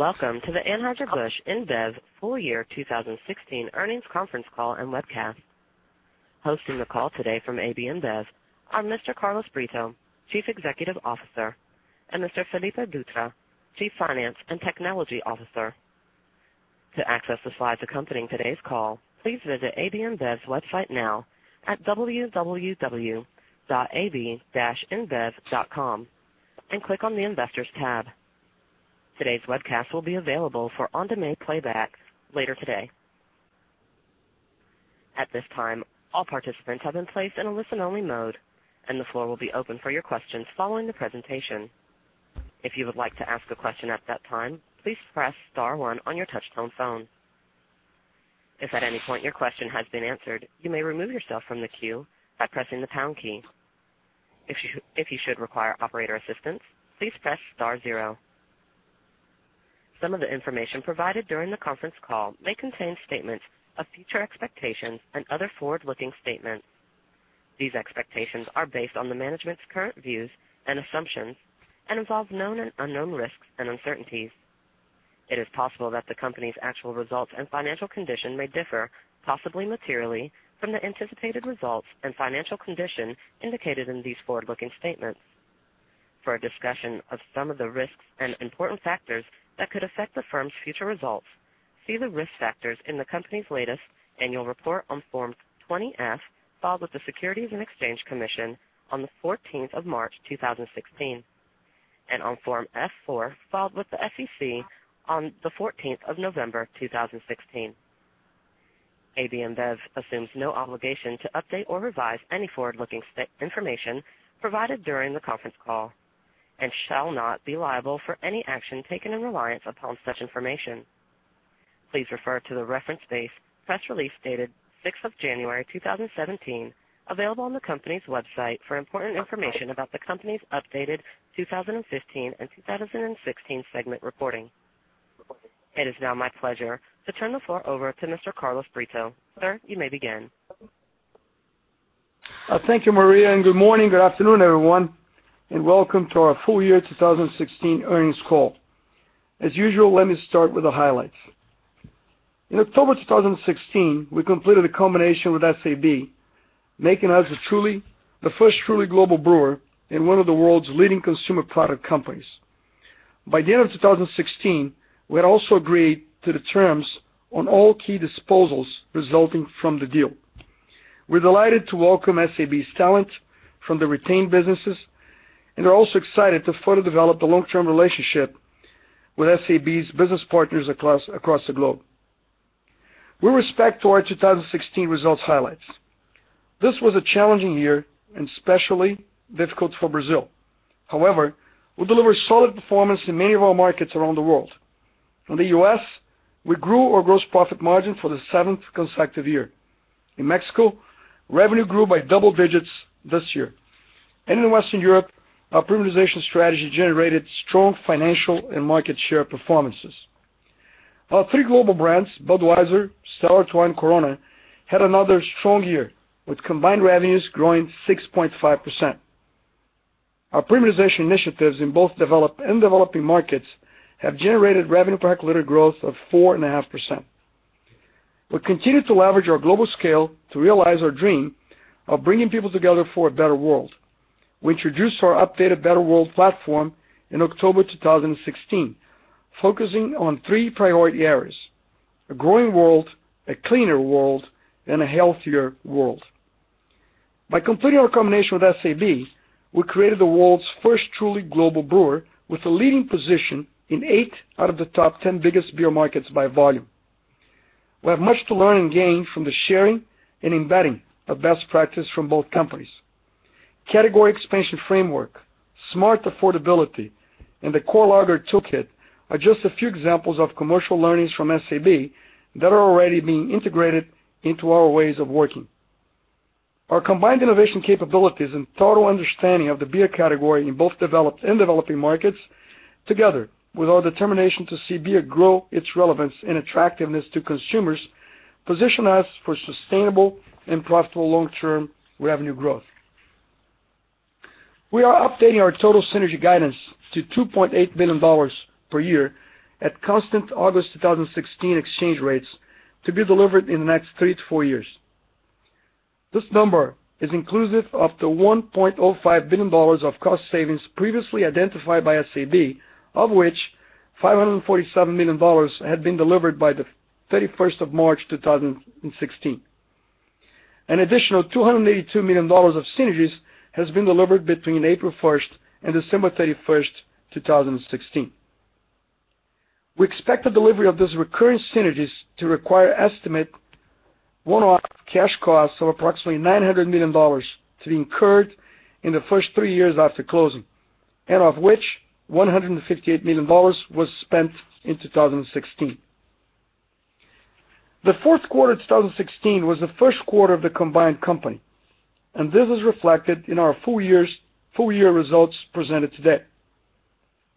Welcome to the Anheuser-Busch InBev full year 2016 earnings conference call and webcast. Hosting the call today from AB InBev are Mr. Carlos Brito, Chief Executive Officer, and Mr. Felipe Dutra, Chief Finance and Technology Officer. To access the slides accompanying today's call, please visit ab-inbev.com and click on the investors tab. Today's webcast will be available for on-demand playback later today. At this time, all participants have been placed in a listen-only mode. The floor will be open for your questions following the presentation. If you would like to ask a question at that time, please press star one on your touch-tone phone. If at any point your question has been answered, you may remove yourself from the queue by pressing the pound key. If you should require operator assistance, please press star zero. Some of the information provided during the conference call may contain statements of future expectations and other forward-looking statements. These expectations are based on the management's current views and assumptions and involve known and unknown risks and uncertainties. It is possible that the company's actual results and financial condition may differ, possibly materially, from the anticipated results and financial condition indicated in these forward-looking statements. For a discussion of some of the risks and important factors that could affect the firm's future results, see the risk factors in the company's latest annual report on Form 20-F, filed with the Securities and Exchange Commission on the 14th of March 2016, and on Form F-4 filed with the SEC on the 14th of November 2016. AB InBev assumes no obligation to update or revise any forward-looking information provided during the conference call and shall not be liable for any action taken in reliance upon such information. Please refer to the reference base press release dated 6th of January 2017, available on the company's website for important information about the company's updated 2015 and 2016 segment reporting. It is now my pleasure to turn the floor over to Mr. Carlos Brito. Sir, you may begin. Thank you, Maria, and good morning. Good afternoon, everyone, and welcome to our full year 2016 earnings call. As usual, let me start with the highlights. In October 2016, we completed a combination with SAB, making us the first truly global brewer and one of the world's leading consumer product companies. By the end of 2016, we had also agreed to the terms on all key disposals resulting from the deal. We're delighted to welcome SAB's talent from the retained businesses and are also excited to further develop the long-term relationship with SAB's business partners across the globe. With respect to our 2016 results highlights, this was a challenging year, and especially difficult for Brazil. However, we delivered solid performance in many of our markets around the world. In the U.S., we grew our gross profit margin for the seventh consecutive year. In Mexico, revenue grew by double digits this year. In Western Europe, our premiumization strategy generated strong financial and market share performances. Our three global brands, Budweiser, Stella Artois, and Corona, had another strong year, with combined revenues growing 6.5%. Our premiumization initiatives in both developed and developing markets have generated revenue per hectoliter growth of 4.5%. We continue to leverage our global scale to realize our dream of bringing people together for a Better World. We introduced our updated Better World platform in October 2016, focusing on three priority areas: a growing world, a cleaner world, and a healthier world. By completing our combination with SAB, we created the world's first truly global brewer with a leading position in eight out of the top ten biggest beer markets by volume. We have much to learn and gain from the sharing and embedding of best practices from both companies. Category expansion framework, smart affordability, and the core lager toolkit are just a few examples of commercial learnings from SAB that are already being integrated into our ways of working. Our combined innovation capabilities and total understanding of the beer category in both developed and developing markets, together with our determination to see beer grow its relevance and attractiveness to consumers, position us for sustainable and profitable long-term revenue growth. We are updating our total synergy guidance to $2.8 billion per year at constant August 2016 exchange rates to be delivered in the next three to four years. This number is inclusive of the $1.05 billion of cost savings previously identified by SAB, of which $547 million had been delivered by the 31st of March 2016. An additional $282 million of synergies has been delivered between April 1st and December 31st, 2016. We expect the delivery of these recurring synergies to require estimate one-off cash costs of approximately $900 million to be incurred in the first three years after closing, of which $158 million was spent in 2016. The fourth quarter 2016 was the first quarter of the combined company, this is reflected in our full-year results presented today.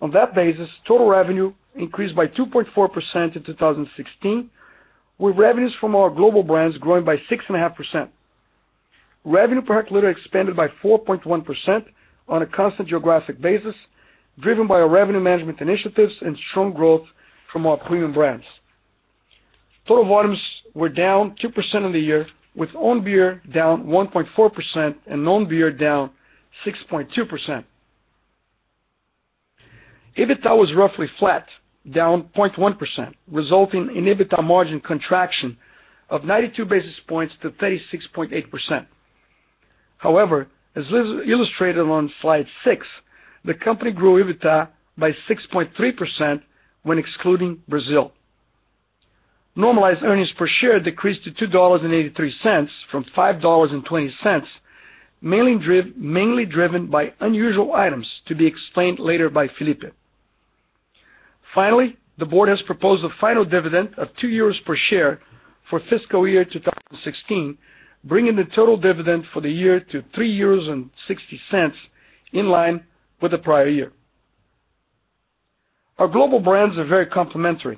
On that basis, total revenue increased by 2.4% in 2016, with revenues from our global brands growing by 6.5%. Revenue per hectoliter expanded by 4.1% on a constant geographic basis, driven by our revenue management initiatives and strong growth from our premium brands. Total volumes were down 2% on the year, with own beer down 1.4% and non-beer down 6.2%. EBITDA was roughly flat, down 0.1%, resulting in EBITDA margin contraction of 92 basis points to 36.8%. However, as illustrated on slide six, the company grew EBITDA by 6.3% when excluding Brazil. Normalized earnings per share decreased to $2.83 from $5.20, mainly driven by unusual items to be explained later by Felipe. The board has proposed a final dividend of €2 per share for fiscal year 2016, bringing the total dividend for the year to €3.60, in line with the prior year. Our global brands are very complementary,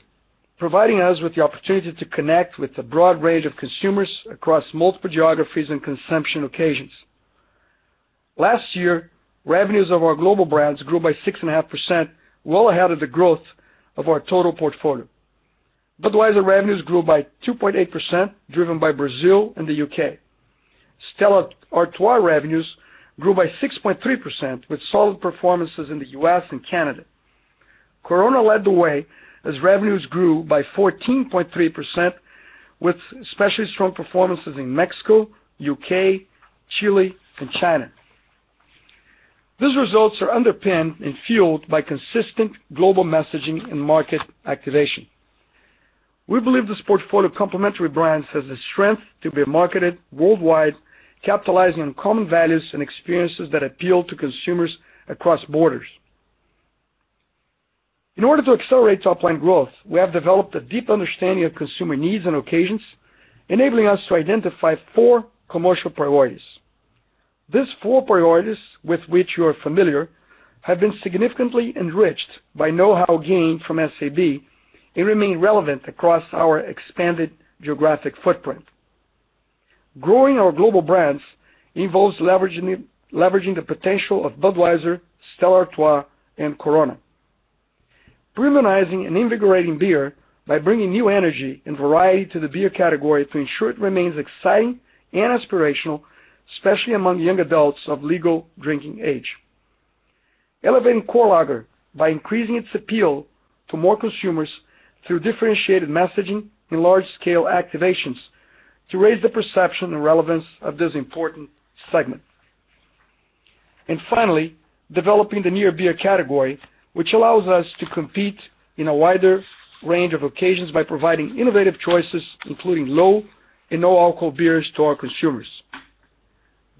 providing us with the opportunity to connect with a broad range of consumers across multiple geographies and consumption occasions. Last year, revenues of our global brands grew by 6.5%, well ahead of the growth of our total portfolio. Budweiser revenues grew by 2.8%, driven by Brazil and the U.K. Stella Artois revenues grew by 6.3%, with solid performances in the U.S. and Canada. Corona led the way as revenues grew by 14.3%, with especially strong performances in Mexico, U.K., Chile, and China. These results are underpinned and fueled by consistent global messaging and market activation. We believe this portfolio of complementary brands has the strength to be marketed worldwide, capitalizing on common values and experiences that appeal to consumers across borders. In order to accelerate top-line growth, we have developed a deep understanding of consumer needs and occasions, enabling us to identify four commercial priorities. These four priorities, with which you are familiar, have been significantly enriched by know-how gained from SAB and remain relevant across our expanded geographic footprint. Growing our global brands involves leveraging the potential of Budweiser, Stella Artois, and Corona. Premiumizing and invigorating beer by bringing new energy and variety to the beer category to ensure it remains exciting and aspirational, especially among young adults of legal drinking age. Elevating core lager by increasing its appeal to more consumers through differentiated messaging and large-scale activations to raise the perception and relevance of this important segment. Finally, developing the near-beer category, which allows us to compete in a wider range of occasions by providing innovative choices, including low and no-alcohol beers to our consumers.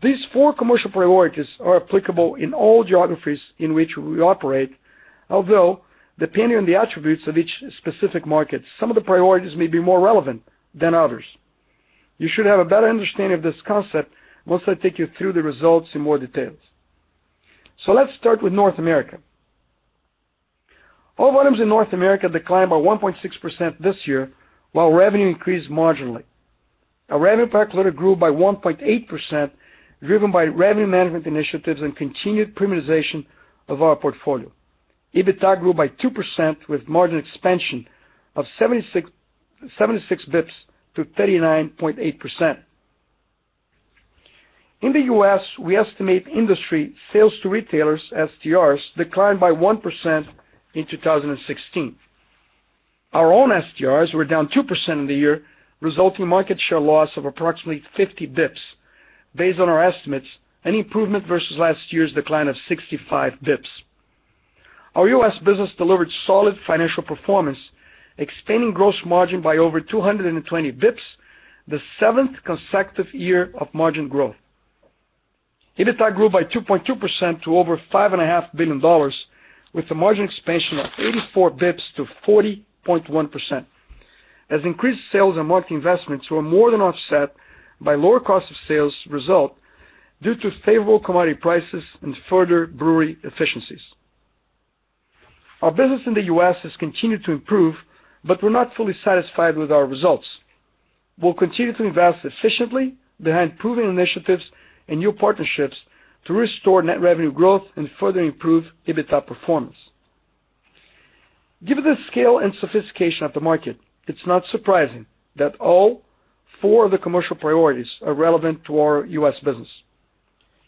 These four commercial priorities are applicable in all geographies in which we operate, although depending on the attributes of each specific market, some of the priorities may be more relevant than others. You should have a better understanding of this concept once I take you through the results in more details. Let's start with North America. All volumes in North America declined by 1.6% this year, while revenue increased marginally. Our revenue per hectoliter grew by 1.8%, driven by revenue management initiatives and continued premiumization of our portfolio. EBITDA grew by 2% with margin expansion of 76 basis points to 39.8%. In the U.S., we estimate industry sales to retailers, STRs, declined by 1% in 2016. Our own STRs were down 2% on the year, resulting market share loss of approximately 50 basis points. Based on our estimates, an improvement versus last year's decline of 65 basis points. Our U.S. business delivered solid financial performance, expanding gross margin by over 220 basis points, the seventh consecutive year of margin growth. EBITDA grew by 2.2% to over $5.5 billion, with a margin expansion of 84 basis points to 40.1%, as increased sales and marketing investments were more than offset by lower cost of sales result due to favorable commodity prices and further brewery efficiencies. Our business in the U.S. has continued to improve, we're not fully satisfied with our results. We'll continue to invest efficiently behind proven initiatives and new partnerships to restore net revenue growth and further improve EBITDA performance. Given the scale and sophistication of the market, it's not surprising that all four of the commercial priorities are relevant to our U.S. business.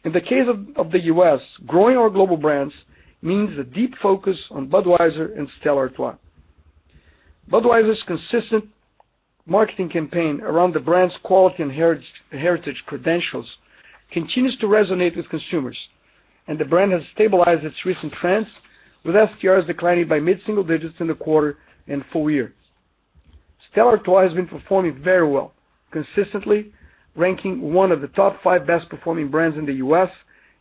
In the case of the U.S., growing our global brands means a deep focus on Budweiser and Stella Artois. Budweiser's consistent marketing campaign around the brand's quality and heritage credentials continues to resonate with consumers, and the brand has stabilized its recent trends, with STRs declining by mid-single digits in the quarter and full year. Stella Artois has been performing very well, consistently ranking one of the top five best-performing brands in the U.S.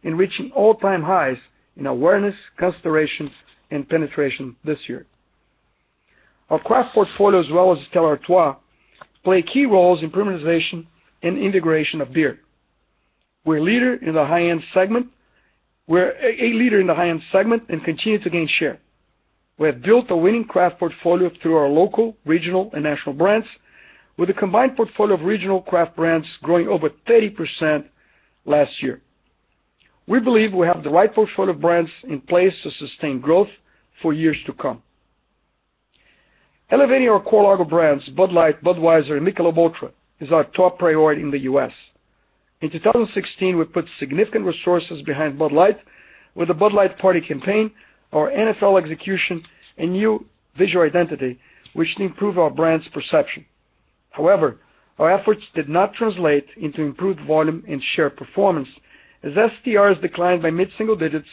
and reaching all-time highs in awareness, considerations, and penetration this year. Our craft portfolio, as well as Stella Artois, play key roles in premiumization and invigoration of beer. We're a leader in the high-end segment and continue to gain share. We have built a winning craft portfolio through our local, regional, and national brands, with a combined portfolio of regional craft brands growing over 30% last year. We believe we have the right portfolio of brands in place to sustain growth for years to come. Elevating our core lager brands, Bud Light, Budweiser, and Michelob ULTRA, is our top priority in the U.S. In 2016, we put significant resources behind Bud Light with the Bud Light Party campaign, our NFL execution, and new visual identity, which improve our brand's perception. However, our efforts did not translate into improved volume and share performance, as STRs declined by mid-single digits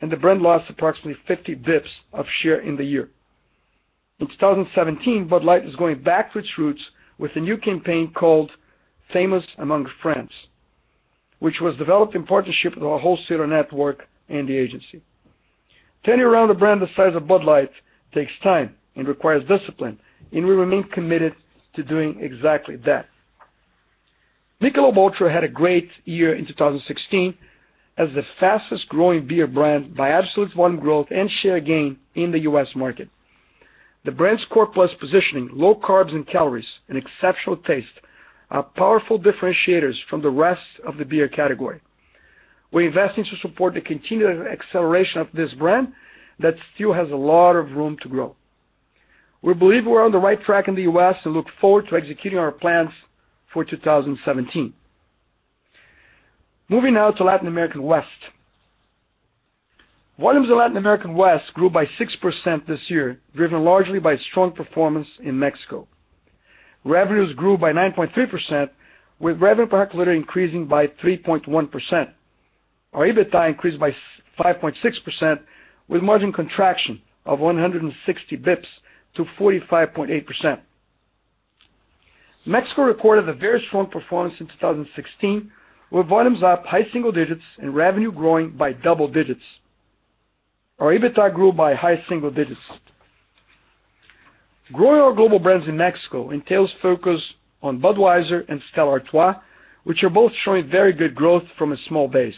and the brand lost approximately 50 basis points of share in the year. In 2017, Bud Light is going back to its roots with a new campaign called Famous Among Friends, which was developed in partnership with our wholesaler network and the agency. Turning around a brand the size of Bud Light takes time and requires discipline, and we remain committed to doing exactly that. Michelob ULTRA had a great year in 2016 as the fastest-growing beer brand by absolute volume growth and share gain in the U.S. market. The brand's core plus positioning, low carbs and calories, and exceptional taste are powerful differentiators from the rest of the beer category. We're investing to support the continued acceleration of this brand that still has a lot of room to grow. We believe we're on the right track in the U.S. and look forward to executing our plans for 2017. Moving now to Latin American West. Volumes in Latin American West grew by 6% this year, driven largely by strong performance in Mexico. Revenues grew by 9.3%, with revenue per hectoliter increasing by 3.1%. Our EBITDA increased by 5.6%, with margin contraction of 160 basis points to 45.8%. Mexico recorded a very strong performance in 2016, with volumes up high single digits and revenue growing by double digits. Our EBITDA grew by high single digits. Growing our global brands in Mexico entails focus on Budweiser and Stella Artois, which are both showing very good growth from a small base.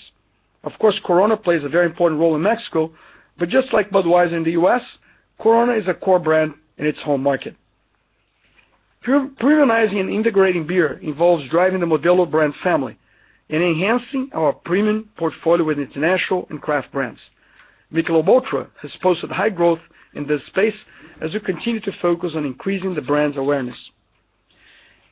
Of course, Corona plays a very important role in Mexico, but just like Budweiser in the U.S., Corona is a core brand in its home market. Premiumizing and integrating beer involves driving the Modelo brand family and enhancing our premium portfolio with international and craft brands. Michelob ULTRA has posted high growth in this space as we continue to focus on increasing the brand's awareness.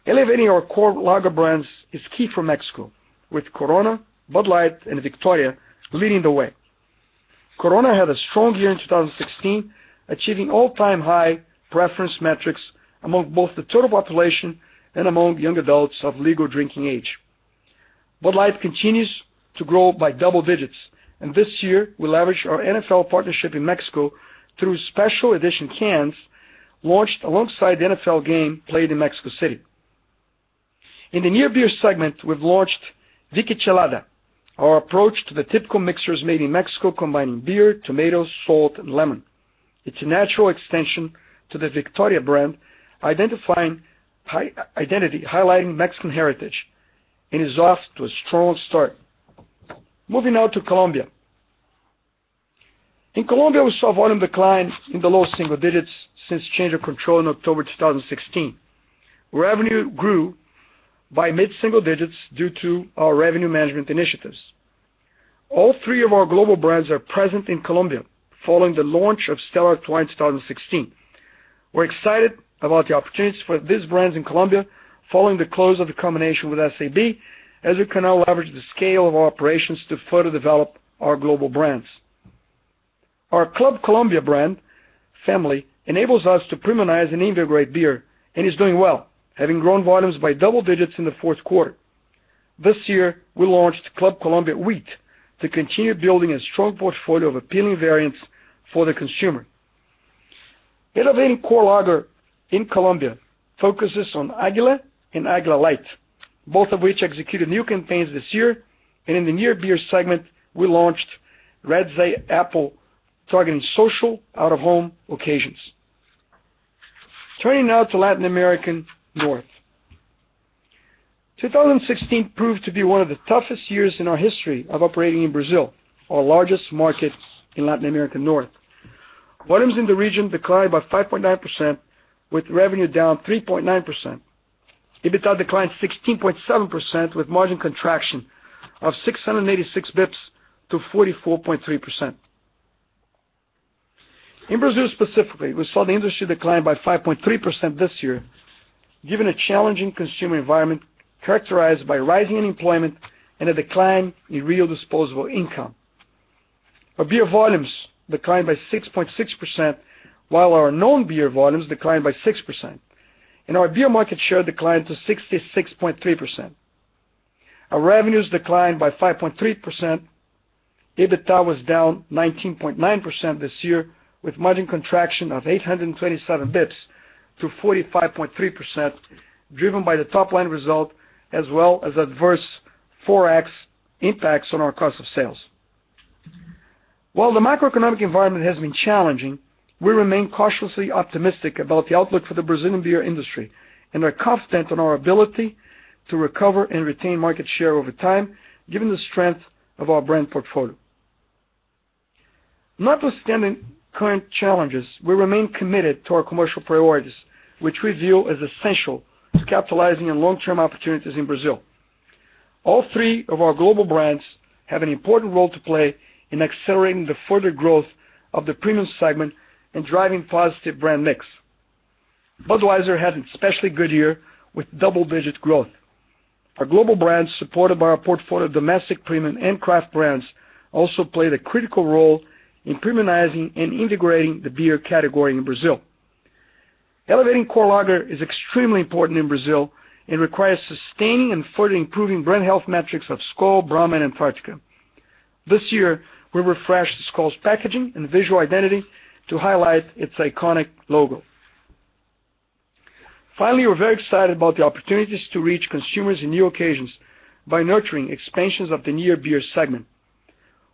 Elevating our core lager brands is key for Mexico, with Corona, Bud Light, and Victoria leading the way. Corona had a strong year in 2016, achieving all-time high preference metrics among both the total population and among young adults of legal drinking age. Bud Light continues to grow by double digits, and this year, we leveraged our NFL partnership in Mexico through special edition cans launched alongside the NFL game played in Mexico City. In the near beer segment, we've launched Vicky Chamoy, our approach to the typical mixers made in Mexico, combining beer, tomatoes, salt, and lemon. It's a natural extension to the Victoria brand, identifying identity, highlighting Mexican heritage, and is off to a strong start. Moving now to Colombia. In Colombia, we saw volume decline in the low single digits since change of control in October 2016. Revenue grew by mid-single digits due to our revenue management initiatives. All three of our global brands are present in Colombia following the launch of Stella Artois in 2016. We're excited about the opportunities for these brands in Colombia following the close of the combination with SAB, as we can now leverage the scale of our operations to further develop our global brands. Our Club Colombia brand family enables us to premiumize and integrate beer, and is doing well, having grown volumes by double digits in the fourth quarter. This year, we launched Club Colombia Trigo to continue building a strong portfolio of appealing variants for the consumer. Elevating core lager in Colombia focuses on Aguila and Aguila Light, both of which executed new campaigns this year. In the near beer segment, we launched Redd's Apple Ale, targeting social out-of-home occasions. Turning now to Latin American North. 2016 proved to be one of the toughest years in our history of operating in Brazil, our largest market in Latin American North. Volumes in the region declined by 5.9%, with revenue down 3.9%. EBITDA declined 16.7%, with margin contraction of 686 basis points to 44.3%. In Brazil specifically, we saw the industry decline by 5.3% this year, given a challenging consumer environment characterized by rising unemployment and a decline in real disposable income. Our beer volumes declined by 6.6%, while our non-beer volumes declined by 6%. Our beer market share declined to 66.3%. Our revenues declined by 5.3%. EBITDA was down 19.9% this year, with margin contraction of 827 basis points to 45.3%, driven by the top-line result as well as adverse ForEx impacts on our cost of sales. While the macroeconomic environment has been challenging, we remain cautiously optimistic about the outlook for the Brazilian beer industry. We are confident in our ability to recover and retain market share over time, given the strength of our brand portfolio. Notwithstanding current challenges, we remain committed to our commercial priorities, which we view as essential to capitalizing on long-term opportunities in Brazil. All three of our global brands have an important role to play in accelerating the further growth of the premium segment and driving positive brand mix. Budweiser had an especially good year with double-digit growth. Our global brands, supported by our portfolio of domestic premium and craft brands, also played a critical role in premiumizing and integrating the beer category in Brazil. Elevating core lager is extremely important in Brazil and requires sustaining and further improving brand health metrics of Skol, Brahma, and Antarctica. This year, we refreshed Skol's packaging and visual identity to highlight its iconic logo. Finally, we're very excited about the opportunities to reach consumers in new occasions by nurturing expansions of the near beer segment.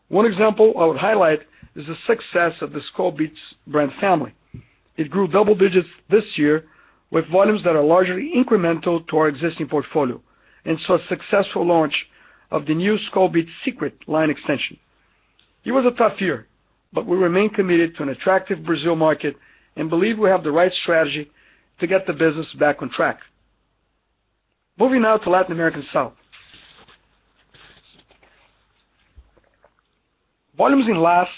One example I would highlight is the success of the Skol Beats brand family. It grew double digits this year with volumes that are largely incremental to our existing portfolio, and saw a successful launch of the new Skol Beats Secret line extension. It was a tough year, but we remain committed to an attractive Brazil market and believe we have the right strategy to get the business back on track. Moving now to Latin American South. Volumes in LAS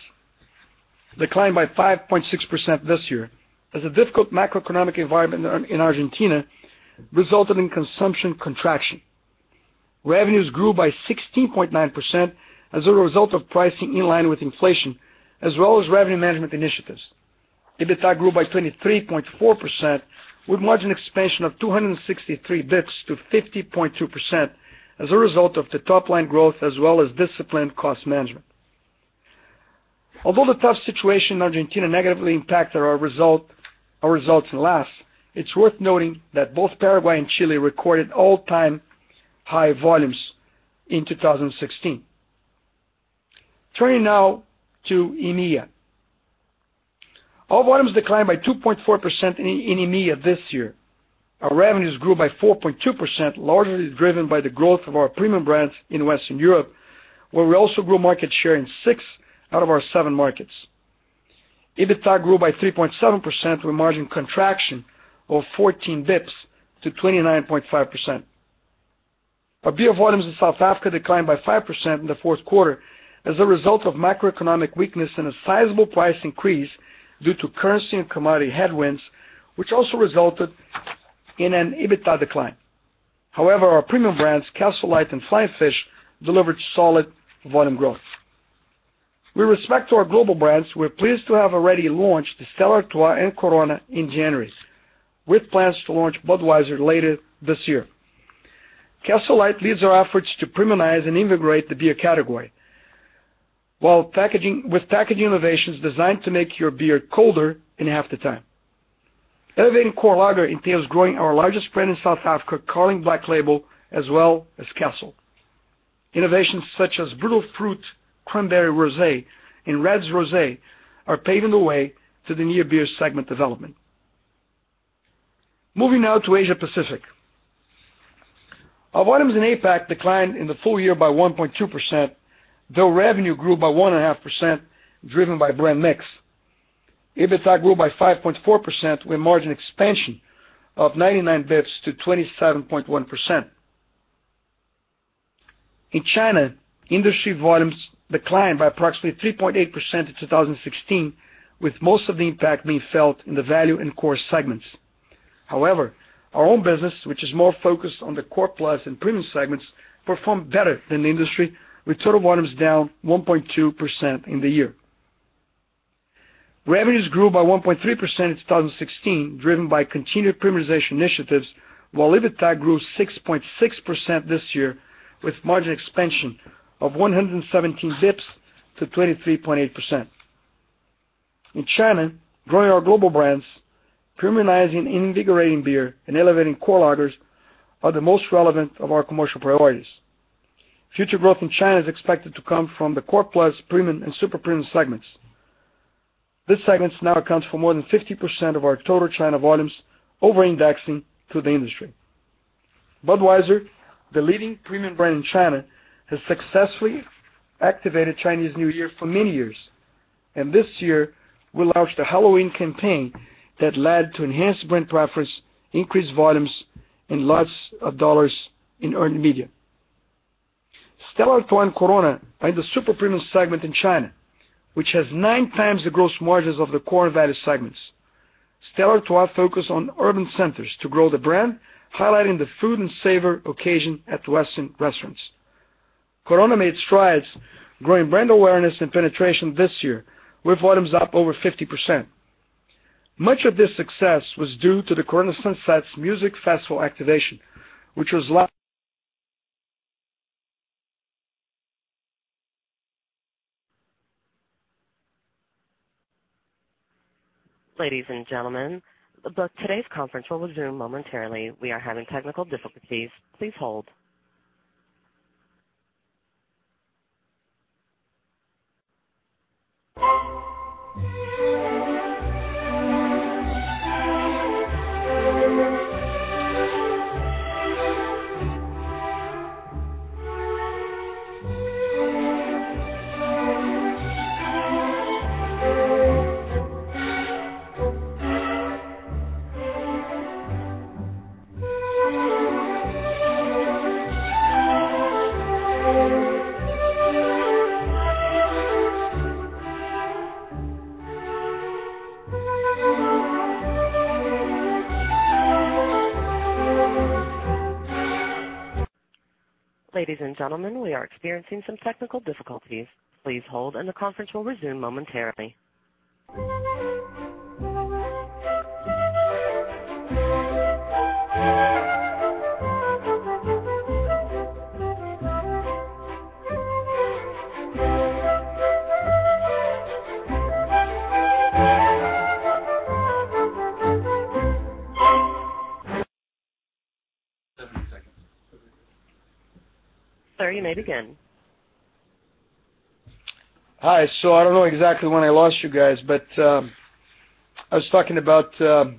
declined by 5.6% this year as a difficult macroeconomic environment in Argentina resulted in consumption contraction. Revenues grew by 16.9% as a result of pricing in line with inflation, as well as revenue management initiatives. EBITDA grew by 23.4%, with margin expansion of 263 basis points to 50.2%, as a result of the top-line growth as well as disciplined cost management. Although the tough situation in Argentina negatively impacted our results in LAS, it is worth noting that both Paraguay and Chile recorded all-time high volumes in 2016. Turning now to EMEA. Our volumes declined by 2.4% in EMEA this year. Our revenues grew by 4.2%, largely driven by the growth of our premium brands in Western Europe, where we also grew market share in six out of our seven markets. EBITDA grew by 3.7% with margin contraction of 14 basis points to 29.5%. Our beer volumes in South Africa declined by 5% in the fourth quarter as a result of macroeconomic weakness and a sizable price increase due to currency and commodity headwinds, which also resulted in an EBITDA decline. Our premium brands, Castle Lite and Flying Fish, delivered solid volume growth. With respect to our global brands, we are pleased to have already launched Stella Artois and Corona in January, with plans to launch Budweiser later this year. Castle Lite leads our efforts to premiumize and integrate the beer category. With packaging innovations designed to make your beer colder in half the time. Elevating core lager entails growing our largest brand in South Africa, Carling Black Label, as well as Castle. Innovations such as Brutal Fruit Cranberry Rosé and Redd's Rosé are paving the way to the near beer segment development. Moving now to Asia Pacific. Our volumes in APAC declined in the full year by 1.2%, though revenue grew by 1.5%, driven by brand mix. EBITDA grew by 5.4% with margin expansion of 99 basis points to 27.1%. In China, industry volumes declined by approximately 3.8% in 2016, with most of the impact being felt in the value and core segments. Our own business, which is more focused on the core plus and premium segments, performed better than the industry, with total volumes down 1.2% in the year. Revenues grew by 1.3% in 2016, driven by continued premiumization initiatives, while EBITDA grew 6.6% this year, with margin expansion of 117 basis points to 23.8%. In China, growing our global brands, premiumizing, invigorating beer, and elevating core lagers are the most relevant of our commercial priorities. Future growth in China is expected to come from the core plus, premium, and super premium segments. These segments now account for more than 50% of our total China volumes, over-indexing to the industry. Budweiser, the leading premium brand in China, has successfully activated Chinese New Year for many years. This year, we launched a Halloween campaign that led to enhanced brand preference, increased volumes, and lots of dollars in earned media. Stella Artois and Corona are in the super premium segment in China, which has nine times the gross margins of the core value segments. Stella Artois focused on urban centers to grow the brand, highlighting the food and savor occasion at Western restaurants. Corona made strides growing brand awareness and penetration this year, with volumes up over 50%. Much of this success was due to the Corona Sunsets music festival activation, which was Ladies and gentlemen, today's conference will resume momentarily. We are having technical difficulties. Please hold. Ladies and gentlemen, we are experiencing some technical difficulties. Please hold, the conference will resume momentarily. Sir, you may begin. Hi. I don't know exactly when I lost you guys, I was talking about the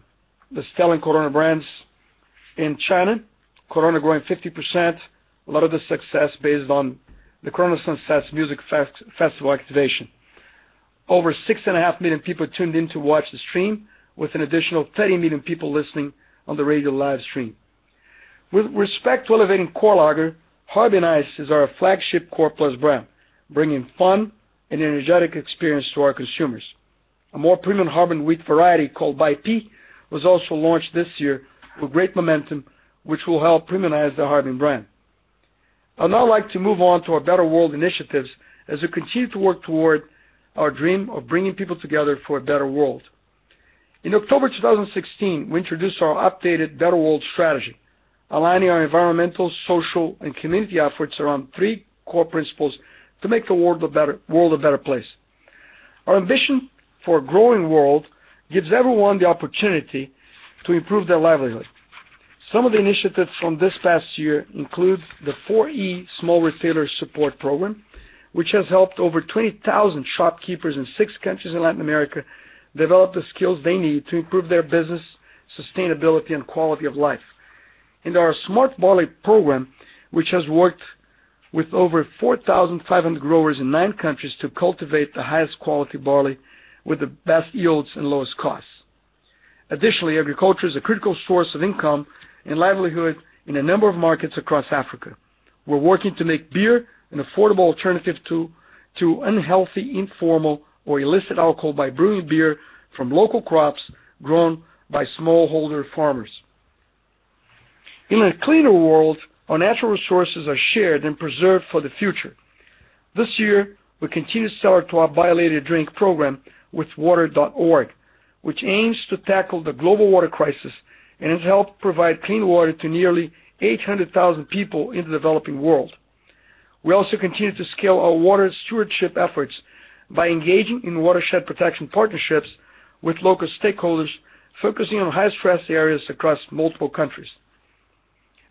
selling Corona brands in China. Corona growing 50%. A lot of the success based on the Corona Sunsets Music Festival activation. Over 6.5 million people tuned in to watch the stream, with an additional 30 million people listening on the radio live stream. With respect to elevating core lager, Harbin Ice is our flagship core plus brand, bringing fun and energetic experience to our consumers. A more premium Harbin wheat variety called Harbin Baipi was also launched this year with great momentum, which will help premiumize the Harbin brand. I'd now like to move on to our Better World initiatives as we continue to work toward our dream of bringing people together for a better world. In October 2016, we introduced our updated Better World strategy, aligning our environmental, social and community efforts around three core principles to make the world a better place. Our ambition for a growing world gives everyone the opportunity to improve their livelihood. Some of the initiatives from this past year include the 4E Small Retailer Support Program, which has helped over 20,000 shopkeepers in 6 countries in Latin America develop the skills they need to improve their business sustainability and quality of life. Our Smart Barley program, which has worked with over 4,500 growers in 9 countries to cultivate the highest quality barley with the best yields and lowest costs. Additionally, agriculture is a critical source of income and livelihood in a number of markets across Africa. We're working to make beer an affordable alternative to unhealthy, informal, or illicit alcohol by brewing beer from local crops grown by smallholder farmers. In a cleaner world, our natural resources are shared and preserved for the future. This year, we continue to sell our Buy a Lady a Drink program with Water.org. Which aims to tackle the global water crisis and has helped provide clean water to nearly 800,000 people in the developing world. We also continue to scale our water stewardship efforts by engaging in watershed protection partnerships with local stakeholders, focusing on high-stress areas across multiple countries.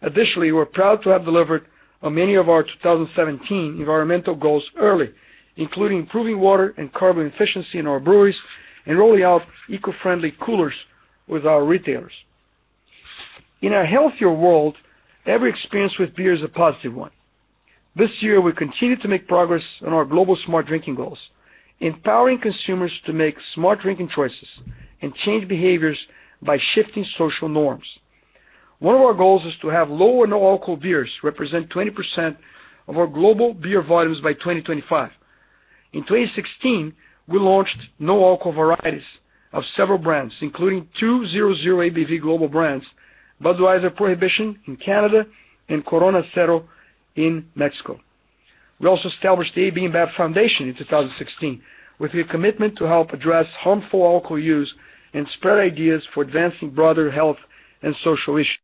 Additionally, we're proud to have delivered on many of our 2017 environmental goals early, including improving water and carbon efficiency in our breweries and rolling out eco-friendly coolers with our retailers. In a healthier world, every experience with beer is a positive one. This year, we continue to make progress on our global Smart Drinking goals, empowering consumers to make Smart Drinking choices and change behaviors by shifting social norms. One of our goals is to have low and alcohol beers represent 20% of our global beer volumes by 2025. In 2016, we launched no alcohol varieties of several brands, including 0.0% ABV global brands, Budweiser Prohibition in Canada and Corona Cero in Mexico. We also established the AB InBev Foundation in 2016 with a commitment to help address harmful alcohol use and spread ideas for advancing broader health and social issues.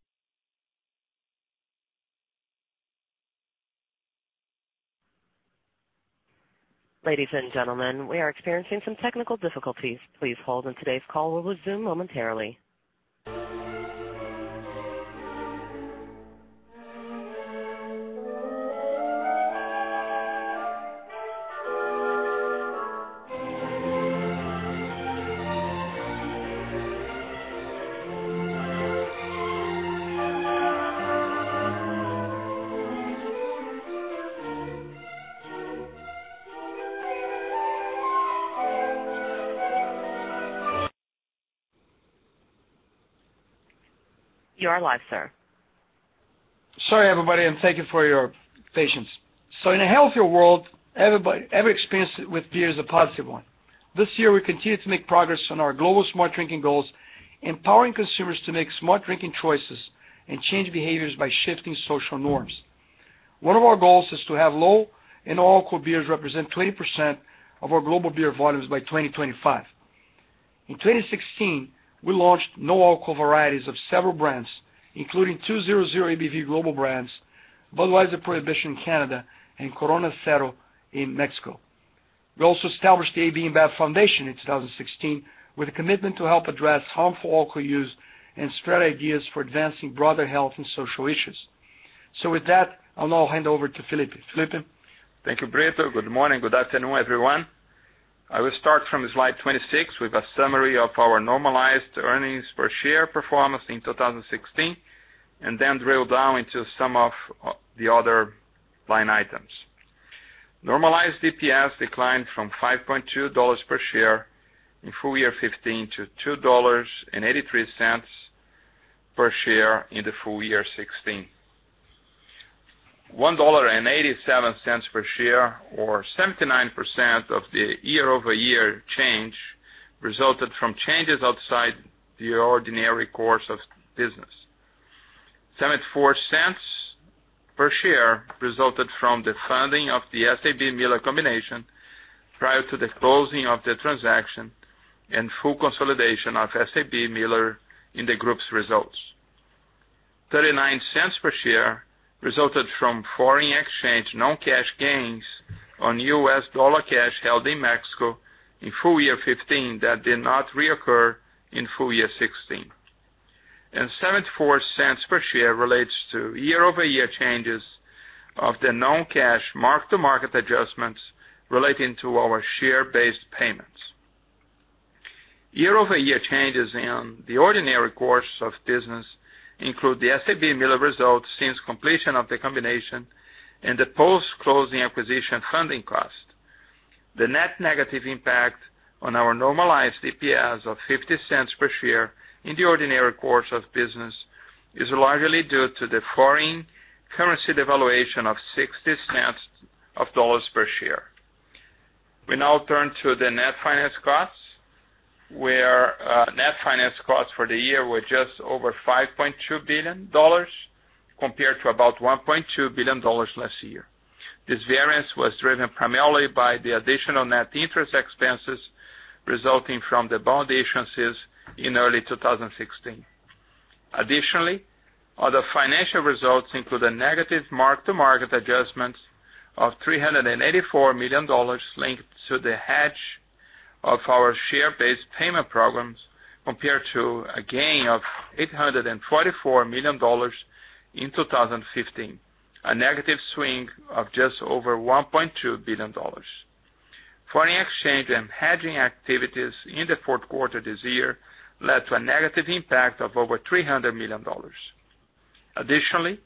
Ladies and gentlemen, we are experiencing some technical difficulties. Please hold and today's call will resume momentarily. You are live, sir. Sorry, everybody, and thank you for your patience. In a healthier world, every experience with beer is a positive one. This year, we continue to make progress on our global Smart Drinking goals, empowering consumers to make Smart Drinking choices and change behaviors by shifting social norms. One of our goals is to have low and alcohol beers represent 20% of our global beer volumes by 2025. In 2016, we launched no alcohol varieties of several brands, including 0.0% ABV global brands, Budweiser Prohibition in Canada and Corona Cero in Mexico. We also established the AB InBev Foundation in 2016 with a commitment to help address harmful alcohol use and spread ideas for advancing broader health and social issues. With that, I'll now hand over to Felipe. Felipe? Thank you, Brito. Good morning, good afternoon, everyone. I will start from slide 26 with a summary of our normalized earnings per share performance in 2016, and then drill down into some of the other line items. Normalized EPS declined from $5.2 per share in full year 2015 to $2.83 per share in the full year 2016. $1.87 per share or 79% of the year-over-year change resulted from changes outside the ordinary course of business. $0.74 per share resulted from the funding of the SABMiller combination prior to the closing of the transaction and full consolidation of SABMiller in the group's results. $0.39 per share resulted from foreign exchange non-cash gains on U.S. dollar cash held in Mexico in full year 2015 that did not reoccur in full year 2016. $0.74 per share relates to year-over-year changes of the non-cash mark-to-market adjustments relating to our share-based payments. Year-over-year changes in the ordinary course of business include the SABMiller results since completion of the combination and the post-closing acquisition funding cost. The net negative impact on our normalized EPS of $0.50 per share in the ordinary course of business is largely due to the foreign currency devaluation of $0.60 per share. We now turn to the net finance costs, where net finance costs for the year were just over $5.2 billion, compared to about $1.2 billion last year. This variance was driven primarily by the additional net interest expenses resulting from the bond issuances in early 2016. Additionally, other financial results include a negative mark-to-market adjustment of $384 million linked to the hedge of our share-based payment programs, compared to a gain of $844 million in 2015, a negative swing of just over $1.2 billion. Foreign exchange and hedging activities in the fourth quarter this year led to a negative impact of over $300 million. Additionally,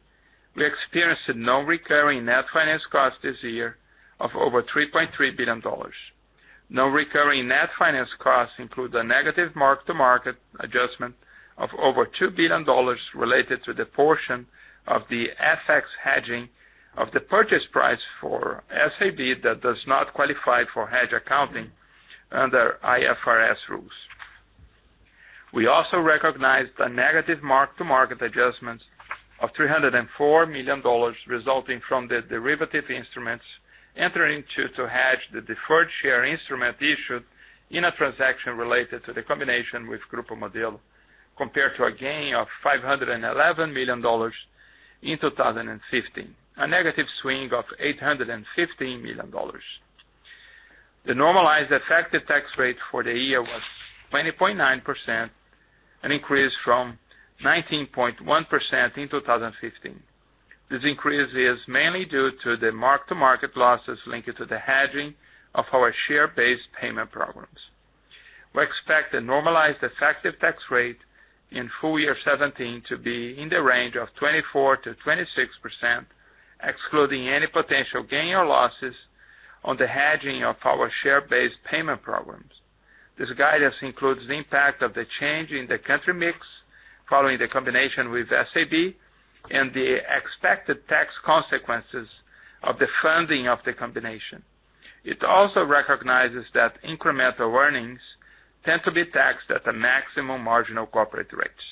we experienced a non-recurring net finance cost this year of over $3.3 billion. Non-recurring net finance costs include a negative mark-to-market adjustment of over $2 billion related to the portion of the FX hedging of the purchase price for SABMiller that does not qualify for hedge accounting under IFRS rules. We also recognized a negative mark-to-market adjustment of $304 million resulting from the derivative instruments entering to hedge the deferred share instrument issued in a transaction related to the combination with Grupo Modelo compared to a gain of $511 million in 2015. A negative swing of $815 million. The normalized effective tax rate for the year was 20.9%, an increase from 19.1% in 2015. This increase is mainly due to the mark-to-market losses linked to the hedging of our share-based payment programs. We expect a normalized effective tax rate in full year 2017 to be in the range of 24%-26%, excluding any potential gain or losses on the hedging of our share-based payment programs. This guidance includes the impact of the change in the country mix following the combination with SABMiller and the expected tax consequences of the funding of the combination. It also recognizes that incremental earnings tend to be taxed at the maximum marginal corporate rates.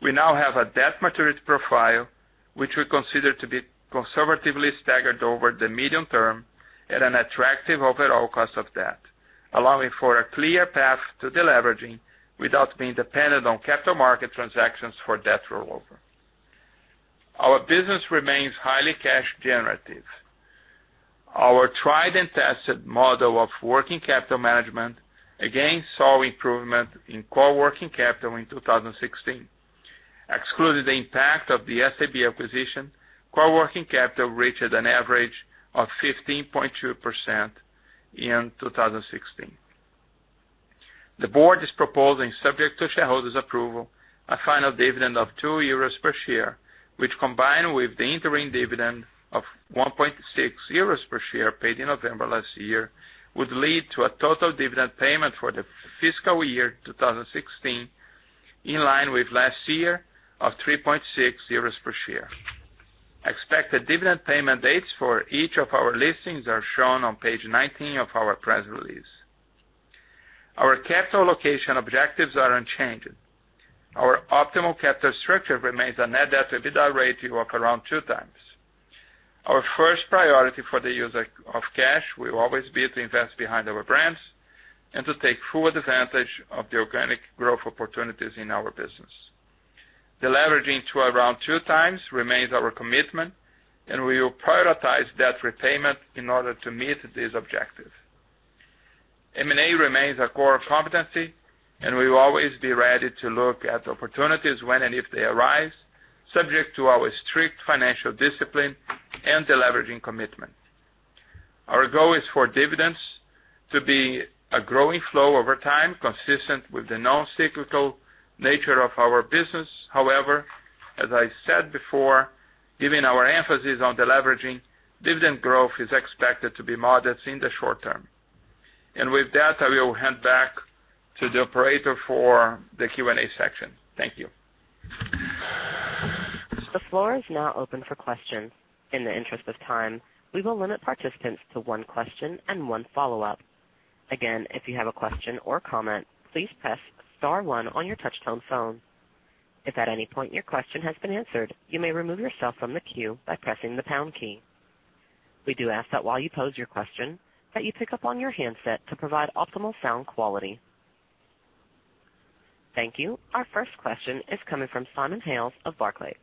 We now have a debt maturity profile, which we consider to be conservatively staggered over the medium term at an attractive overall cost of debt, allowing for a clear path to deleveraging without being dependent on capital market transactions for debt rollover. Our business remains highly cash generative. Our tried and tested model of working capital management again saw improvement in core working capital in 2016. Excluding the impact of the SABMiller acquisition, core working capital reached an average of 15.2% in 2016. The board is proposing, subject to shareholders' approval, a final dividend of 2 euros per share, which combined with the interim dividend of 1.6 euros per share paid in November last year, would lead to a total dividend payment for the fiscal year 2016, in line with last year, of 3.6 euros per share. Expected dividend payment dates for each of our listings are shown on page 19 of our press release. Our capital allocation objectives are unchanged. Our optimal capital structure remains a net debt to EBITDA ratio of around two times. Our first priority for the use of cash will always be to invest behind our brands and to take full advantage of the organic growth opportunities in our business. Deleveraging to around two times remains our commitment, and we will prioritize debt repayment in order to meet this objective. M&A remains a core competency, and we will always be ready to look at opportunities when and if they arise, subject to our strict financial discipline and deleveraging commitment. Our goal is for dividends to be a growing flow over time, consistent with the non-cyclical nature of our business. However, as I said before, given our emphasis on deleveraging, dividend growth is expected to be modest in the short term. With that, I will hand back to the operator for the Q&A section. Thank you. The floor is now open for questions. In the interest of time, we will limit participants to one question and one follow-up. Again, if you have a question or comment, please press star one on your touch-tone phone. If at any point your question has been answered, you may remove yourself from the queue by pressing the pound key. We do ask that while you pose your question, that you pick up on your handset to provide optimal sound quality. Thank you. Our first question is coming from Simon Hales of Barclays.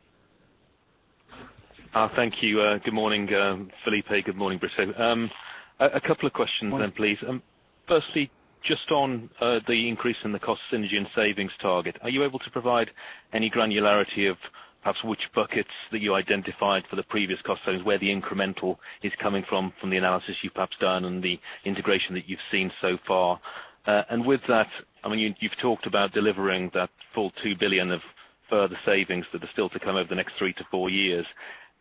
Thank you. Good morning, Felipe. Good morning, Brito. A couple of questions then, please. Morning. Firstly, just on the increase in the cost synergy and savings target, are you able to provide any granularity of perhaps which buckets that you identified for the previous cost savings, where the incremental is coming from the analysis you've perhaps done and the integration that you've seen so far? With that, you've talked about delivering that full $2 billion of further savings that are still to come over the next three to four years.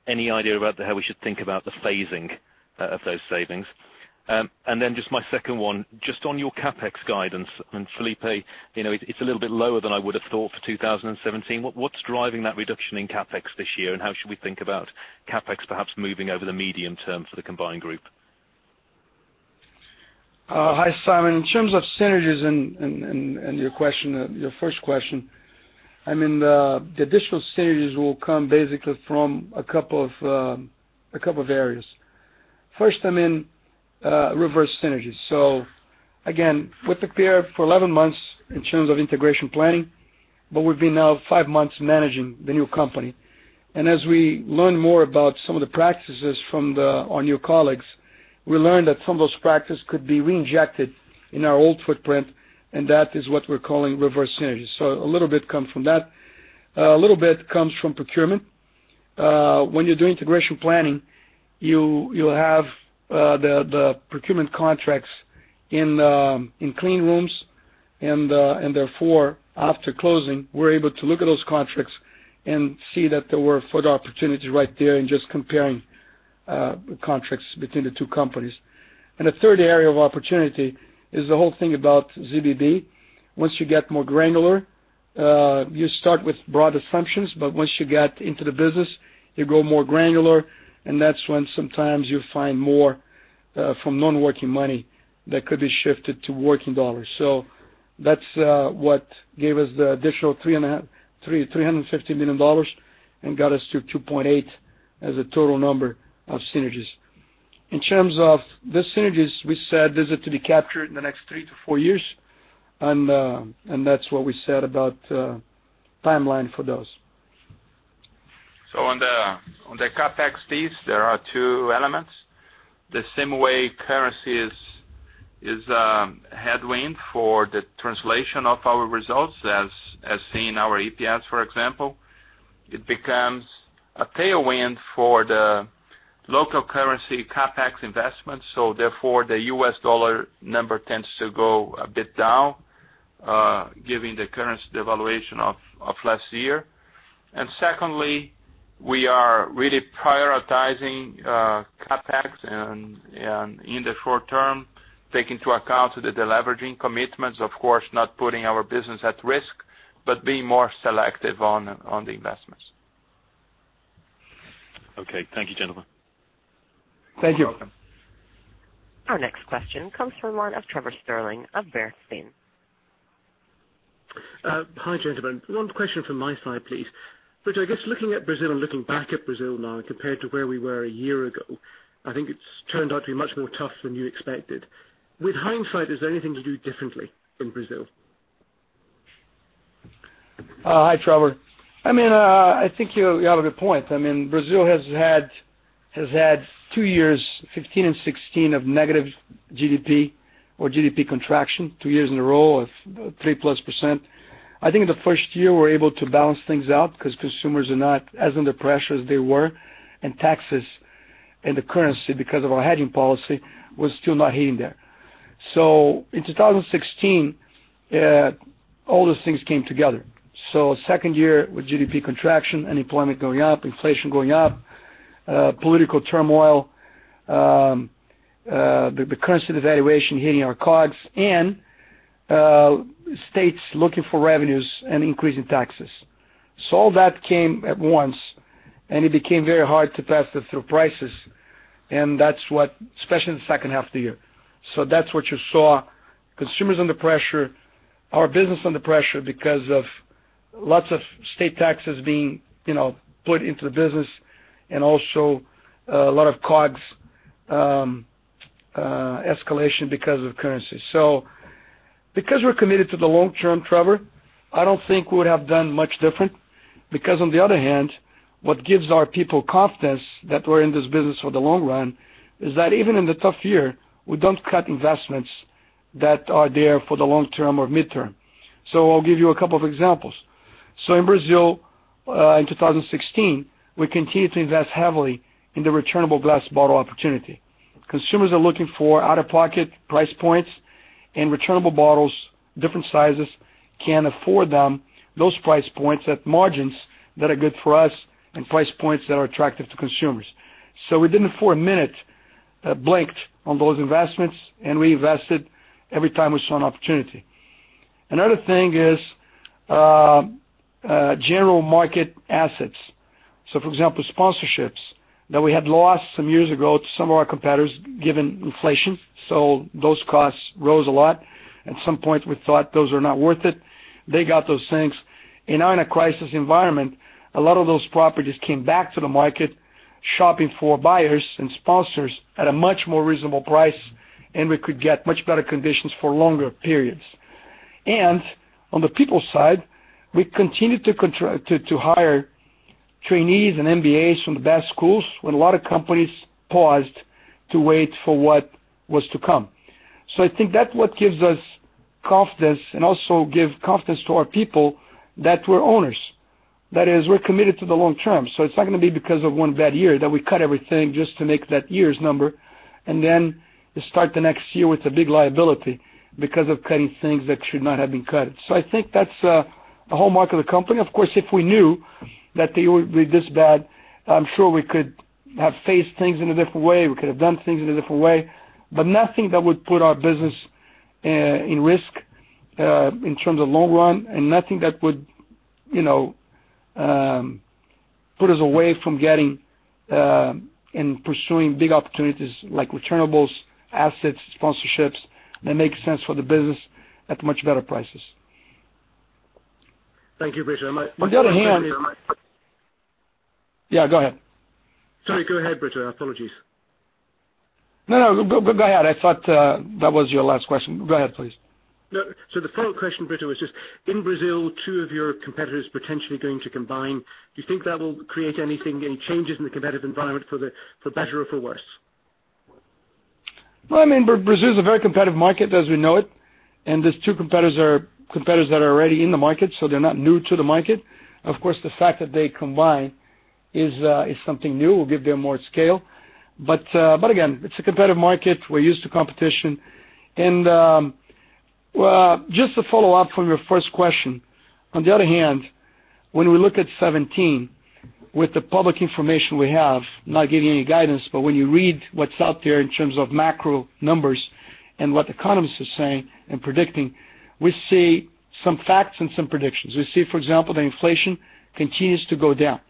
Any idea about how we should think about the phasing of those savings? Then just my second one, just on your CapEx guidance, Felipe, it's a little bit lower than I would have thought for 2017. What's driving that reduction in CapEx this year, and how should we think about CapEx perhaps moving over the medium term for the combined group? Hi, Simon. In terms of synergies and your first question, the additional synergies will come basically from a couple of areas. First, reverse synergies. Again, we prepared for 11 months in terms of integration planning, but we have been now five months managing the new company. As we learn more about some of the practices from our new colleagues, we learned that some of those practices could be reinjected in our old footprint, and that is what we are calling reverse synergies. A little bit comes from that. A little bit comes from procurement. When you do integration planning, you have the procurement contracts in clean rooms. Therefore, after closing, we are able to look at those contracts and see that there were further opportunities right there in just comparing contracts between the two companies. The third area of opportunity is the whole thing about ZBB. Once you get more granular, you start with broad assumptions. Once you get into the business, you grow more granular, and that is when sometimes you find more from non-working money that could be shifted to working dollars. That is what gave us the additional $350 million and got us to 2.8 as a total number of synergies. In terms of the synergies, we said these are to be captured in the next three to four years, and that is what we said about timeline for those. On the CapEx piece, there are two elements. The same way currency is a headwind for the translation of our results as seen in our EPS, for example. It becomes a tailwind for the local currency CapEx investment. Therefore, the US dollar number tends to go a bit down, given the currency devaluation of last year. Secondly, we are really prioritizing CapEx. In the short term, taking into account the deleveraging commitments, of course, not putting our business at risk, being more selective on the investments. Okay. Thank you, gentlemen. Thank you. You're welcome. Our next question comes from the line of Trevor Stirling of Bernstein. Hi, gentlemen. One question from my side, please. Brito, I guess looking at Brazil and looking back at Brazil now compared to where we were a year ago, I think it's turned out to be much more tough than you expected. With hindsight, is there anything you'd do differently in Brazil? Hi, Trevor. I think you have a good point. Brazil has had two years, 2015 and 2016, of negative GDP or GDP contraction, two years in a row of three-plus %. In the first year, we were able to balance things out because consumers are not as under pressure as they were, and taxes and the currency, because of our hedging policy, was still not hitting there. In 2016, all those things came together. Second year with GDP contraction, unemployment going up, inflation going up, political turmoil, the currency devaluation hitting our COGS, and states looking for revenues and increasing taxes. All that came at once, and it became very hard to pass this through prices, and that's what, especially in the second half of the year. That's what you saw, consumers under pressure, our business under pressure because of lots of state taxes being put into the business and also a lot of COGS escalation because of currency. Because we're committed to the long term, Trevor, I don't think we would have done much different, because on the other hand, what gives our people confidence that we're in this business for the long run is that even in the tough year, we don't cut investments that are there for the long term or mid-term. I'll give you a couple of examples. In Brazil, in 2016, we continued to invest heavily in the returnable glass bottle opportunity. Consumers are looking for out-of-pocket price points, and returnable bottles, different sizes, can afford them those price points at margins that are good for us and price points that are attractive to consumers. We didn't for a minute blink on those investments, and we invested every time we saw an opportunity. Another thing is general market assets. For example, sponsorships that we had lost some years ago to some of our competitors, given inflation, those costs rose a lot. At some point, we thought those are not worth it. They got those things. Now in a crisis environment, a lot of those properties came back to the market, shopping for buyers and sponsors at a much more reasonable price, and we could get much better conditions for longer periods. On the people side, we continued to hire trainees and MBAs from the best schools, when a lot of companies paused to wait for what was to come. I think that's what gives us confidence and also give confidence to our people that we're owners. That is, we're committed to the long term. It's not going to be because of one bad year that we cut everything just to make that year's number, and then start the next year with a big liability because of cutting things that should not have been cut. I think that's the hallmark of the company. Of course, if we knew that they would be this bad, I'm sure we could have faced things in a different way. We could have done things in a different way, but nothing that would put our business in risk, in terms of long run, and nothing that would put us away from getting and pursuing big opportunities like returnables, assets, sponsorships, that make sense for the business at much better prices. Thank you, Brito. On the other hand. One follow-up. Yeah, go ahead. Sorry, go ahead, Brito. Apologies. Go ahead. I thought that was your last question. Go ahead, please. The follow-up question, Brito, is just in Brazil, two of your competitors potentially going to combine. Do you think that will create anything, any changes in the competitive environment for better or for worse? Well, Brazil is a very competitive market as we know it, and these two competitors are competitors that are already in the market, so they're not new to the market. Of course, the fact that they combine is something new. It will give them more scale. Again, it's a competitive market. We're used to competition. Just to follow up from your first question, on the other hand, when we look at 2017, with the public information we have, not giving any guidance, but when you read what's out there in terms of macro numbers and what economists are saying and predicting, we see some facts and some predictions. We see, for example, that inflation continues to go down.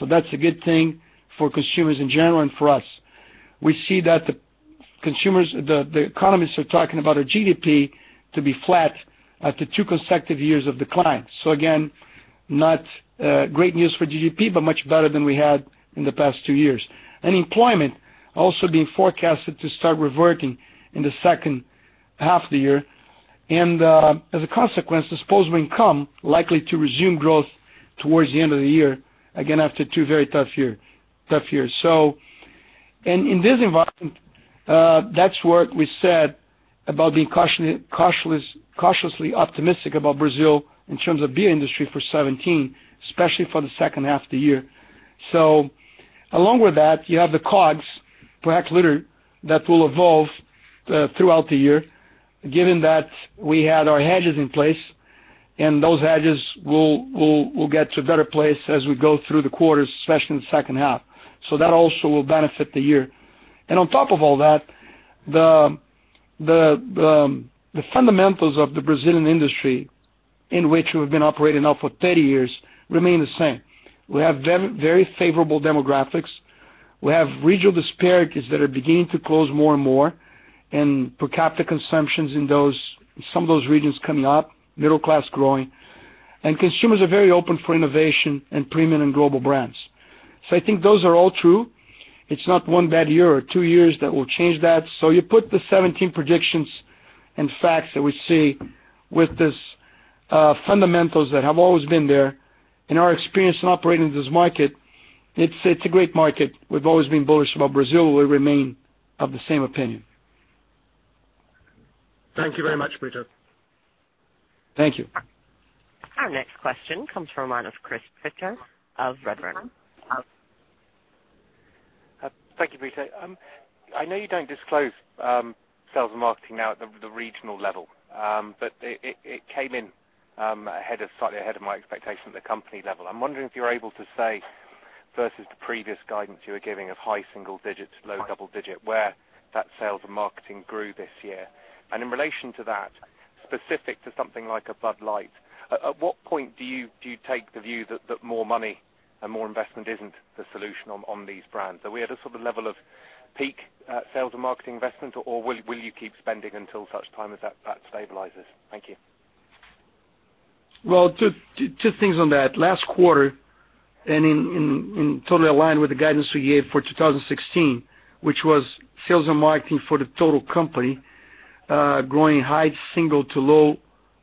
That's a good thing for consumers in general and for us. We see that the economists are talking about our GDP to be flat after two consecutive years of decline. Again, not great news for GDP, but much better than we had in the past two years. Employment also being forecasted to start reverting in the second half of the year. As a consequence, disposable income likely to resume growth towards the end of the year, again, after two very tough years. In this environment, that's where we said about being cautiously optimistic about Brazil in terms of beer industry for 2017, especially for the second half of the year. Along with that, you have the COGS, per hectoliter, that will evolve throughout the year, given that we had our hedges in place, and those hedges will get to a better place as we go through the quarters, especially in the second half. That also will benefit the year. On top of all that, the fundamentals of the Brazilian industry in which we've been operating now for 30 years remain the same. We have very favorable demographics. We have regional disparities that are beginning to close more and more, and per capita consumptions in some of those regions coming up, middle class growing, and consumers are very open for innovation and premium and global brands. I think those are all true. It's not one bad year or two years that will change that. You put the 2017 predictions and facts that we see with these fundamentals that have always been there. In our experience in operating in this market, it's a great market. We've always been bullish about Brazil. We remain of the same opinion. Thank you very much, Brito. Thank you. Our next question comes from the line of Chris Pitcher of Redburn. Thank you, Brito. I know you don't disclose sales and marketing now at the regional level. It came in slightly ahead of my expectation at the company level. I'm wondering if you're able to say, versus the previous guidance you were giving of high single digits, low double digit, where that sales and marketing grew this year. In relation to that, specific to something like a Bud Light, at what point do you take the view that more money and more investment isn't the solution on these brands? Are we at a sort of level of peak sales and marketing investment, or will you keep spending until such time as that stabilizes? Thank you. Two things on that. Last quarter, and in total align with the guidance we gave for 2016, which was sales and marketing for the total company growing high single to low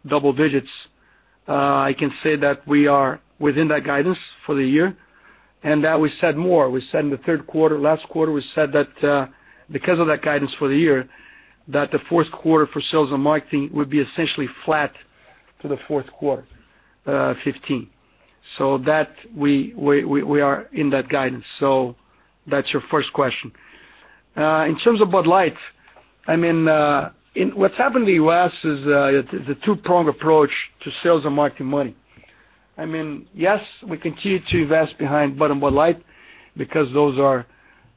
double digits. I can say that we are within that guidance for the year and that we said more. We said in the third quarter, last quarter, we said that because of that guidance for the year, that the fourth quarter for sales and marketing would be essentially flat to the fourth quarter 2015. That we are in that guidance. That's your first question. In terms of Bud Light, what's happened in the U.S. is the two-prong approach to sales and marketing money. Yes, we continue to invest behind Bud and Bud Light because those are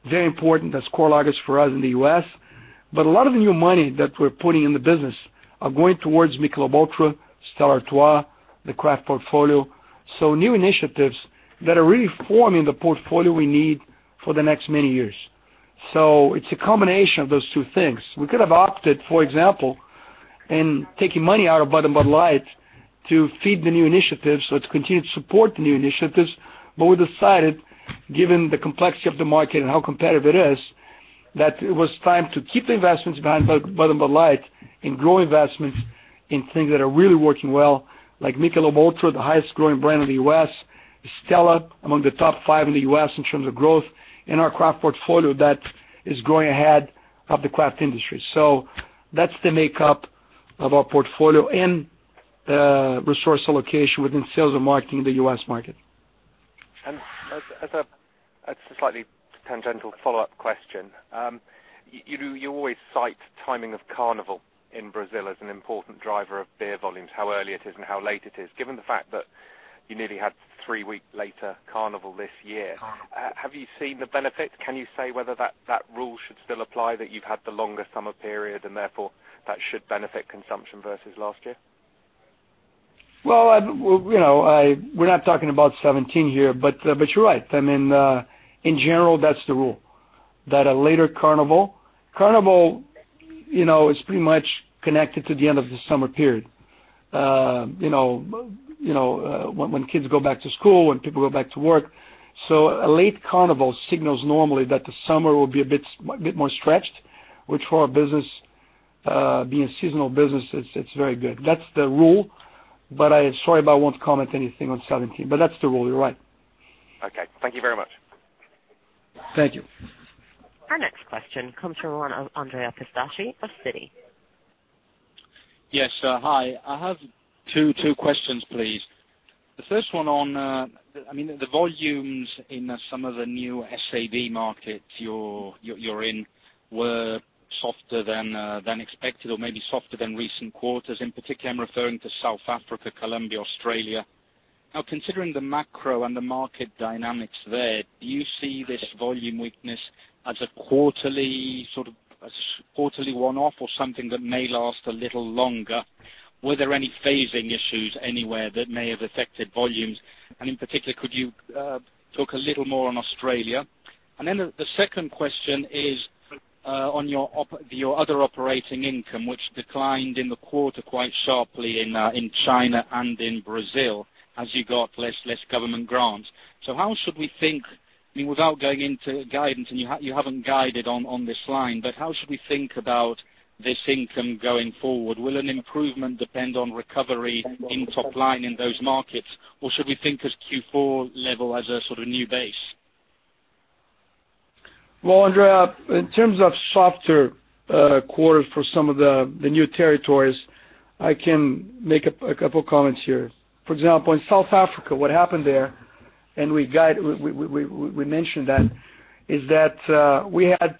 very important as core lagers for us in the U.S. A lot of the new money that we're putting in the business are going towards Michelob ULTRA, Stella Artois, the craft portfolio. New initiatives that are really forming the portfolio we need for the next many years. It's a combination of those two things. We could have opted, for example, in taking money out of Bud and Bud Light to feed the new initiatives, to continue to support the new initiatives. We decided, given the complexity of the market and how competitive it is, that it was time to keep the investments behind Bud and Bud Light and grow investments in things that are really working well, like Michelob ULTRA, the highest growing brand in the U.S., Stella, among the top five in the U.S. in terms of growth, and our craft portfolio that is growing ahead of the craft industry. That's the makeup of our portfolio and resource allocation within sales and marketing in the U.S. market. As a slightly tangential follow-up question. You always cite timing of Carnival in Brazil as an important driver of beer volumes, how early it is and how late it is. Given the fact that you nearly had three-week later Carnival this year, have you seen the benefit? Can you say whether that rule should still apply, that you've had the longer summer period and therefore that should benefit consumption versus last year? Well, we're not talking about 2017 here, you're right. In general, that's the rule. A later Carnival is pretty much connected to the end of the summer period. When kids go back to school, when people go back to work. A late Carnival signals normally that the summer will be a bit more stretched, which for our business, being a seasonal business, it's very good. That's the rule, sorry, I won't comment anything on 2017. That's the rule, you're right. Okay. Thank you very much. Thank you. Our next question comes from Andrea Pistacchi of Citi. Yes, hi. I have two questions, please. The first one on the volumes in some of the new SAB markets you're in were softer than expected or maybe softer than recent quarters. In particular, I'm referring to South Africa, Colombia, Australia. Now considering the macro and the market dynamics there, do you see this volume weakness as a quarterly one-off or something that may last a little longer? Were there any phasing issues anywhere that may have affected volumes? In particular, could you talk a little more on Australia? The second question is on your other operating income, which declined in the quarter quite sharply in China and in Brazil as you got less government grants. How should we think, without going into guidance, and you haven't guided on this line, how should we think about this income going forward? Will an improvement depend on recovery in top line in those markets, or should we think as Q4 level as a sort of new base? Andrea, in terms of softer quarters for some of the new territories, I can make a couple of comments here. For example, in South Africa, what happened there, and we mentioned that, is that we had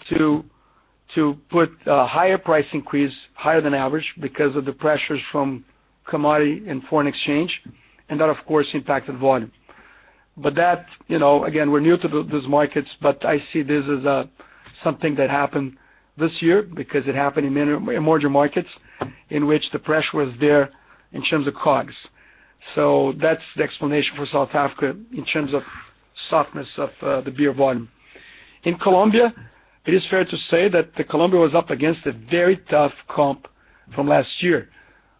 to put a higher price increase, higher than average because of the pressures from commodity and foreign exchange, and that, of course, impacted volume. Again, we're new to those markets, but I see this as something that happened this year because it happened in emerging markets in which the pressure was there in terms of COGS. That's the explanation for South Africa in terms of softness of the beer volume. In Colombia, it is fair to say that Colombia was up against a very tough comp from last year.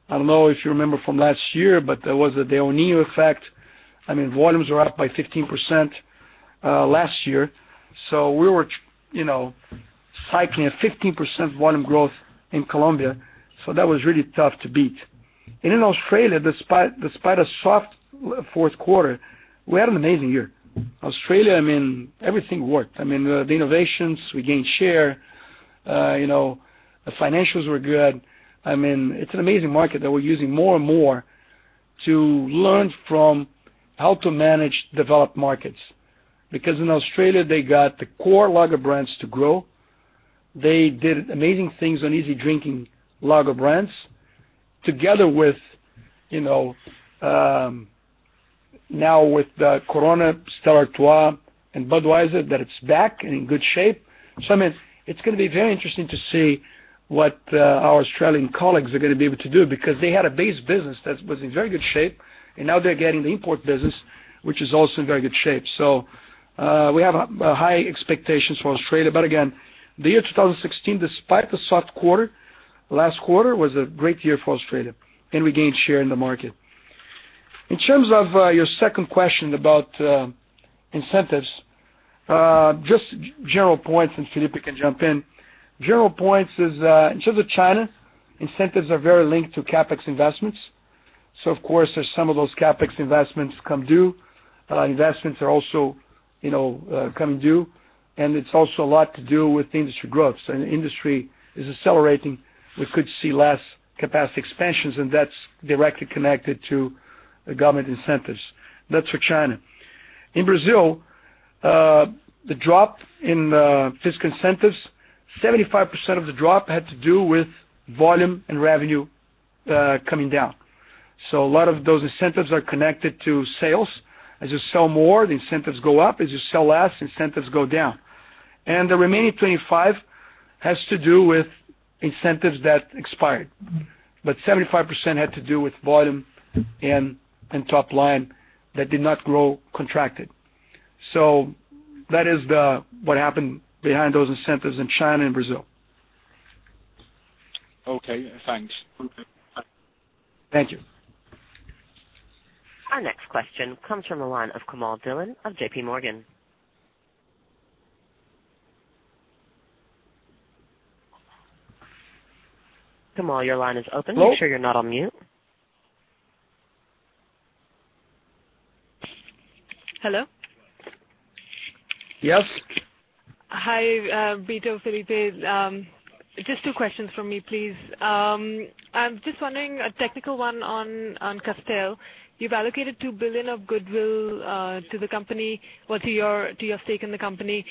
I don't know if you remember from last year, but there was the El Niño effect. Volumes were up by 15% last year. We were cycling a 15% volume growth in Colombia. That was really tough to beat. In Australia, despite a soft fourth quarter, we had an amazing year. Australia, everything worked. The innovations, we gained share. The financials were good. It's an amazing market that we're using more and more to learn from how to manage developed markets. Because in Australia, they got the core lager brands to grow. They did amazing things on easy drinking lager brands together with, now with Corona, Stella Artois and Budweiser, that it's back and in good shape. It's going to be very interesting to see what our Australian colleagues are going to be able to do because they had a base business that was in very good shape, and now they're getting the import business which is also in very good shape. We have high expectations for Australia. Again, the year 2016, despite the soft last quarter, was a great year for Australia, and we gained share in the market. In terms of your second question about incentives, just general points, and Felipe can jump in. General points is, in terms of China, incentives are very linked to CapEx investments. Of course, as some of those CapEx investments come due, investments are also coming due, and it's also a lot to do with the industry growth. The industry is accelerating. We could see less capacity expansions, and that's directly connected to government incentives. That's for China. In Brazil, the drop in fiscal incentives, 75% of the drop had to do with volume and revenue coming down. A lot of those incentives are connected to sales. As you sell more, the incentives go up. As you sell less, incentives go down. The remaining 25% has to do with incentives that expired. 75% had to do with volume and top line that did not grow, contracted. That is what happened behind those incentives in China and Brazil. Okay, thanks. Thank you. Our next question comes from the line of Komal Dhillon of JP Morgan. Komal, your line is open. Make sure you're not on mute. Hello? Yes. Hi, Brito, Felipe. Just two questions from me, please. I'm just wondering, a technical one on Castel. You've allocated 2 billion of goodwill to the company or to your stake in the company.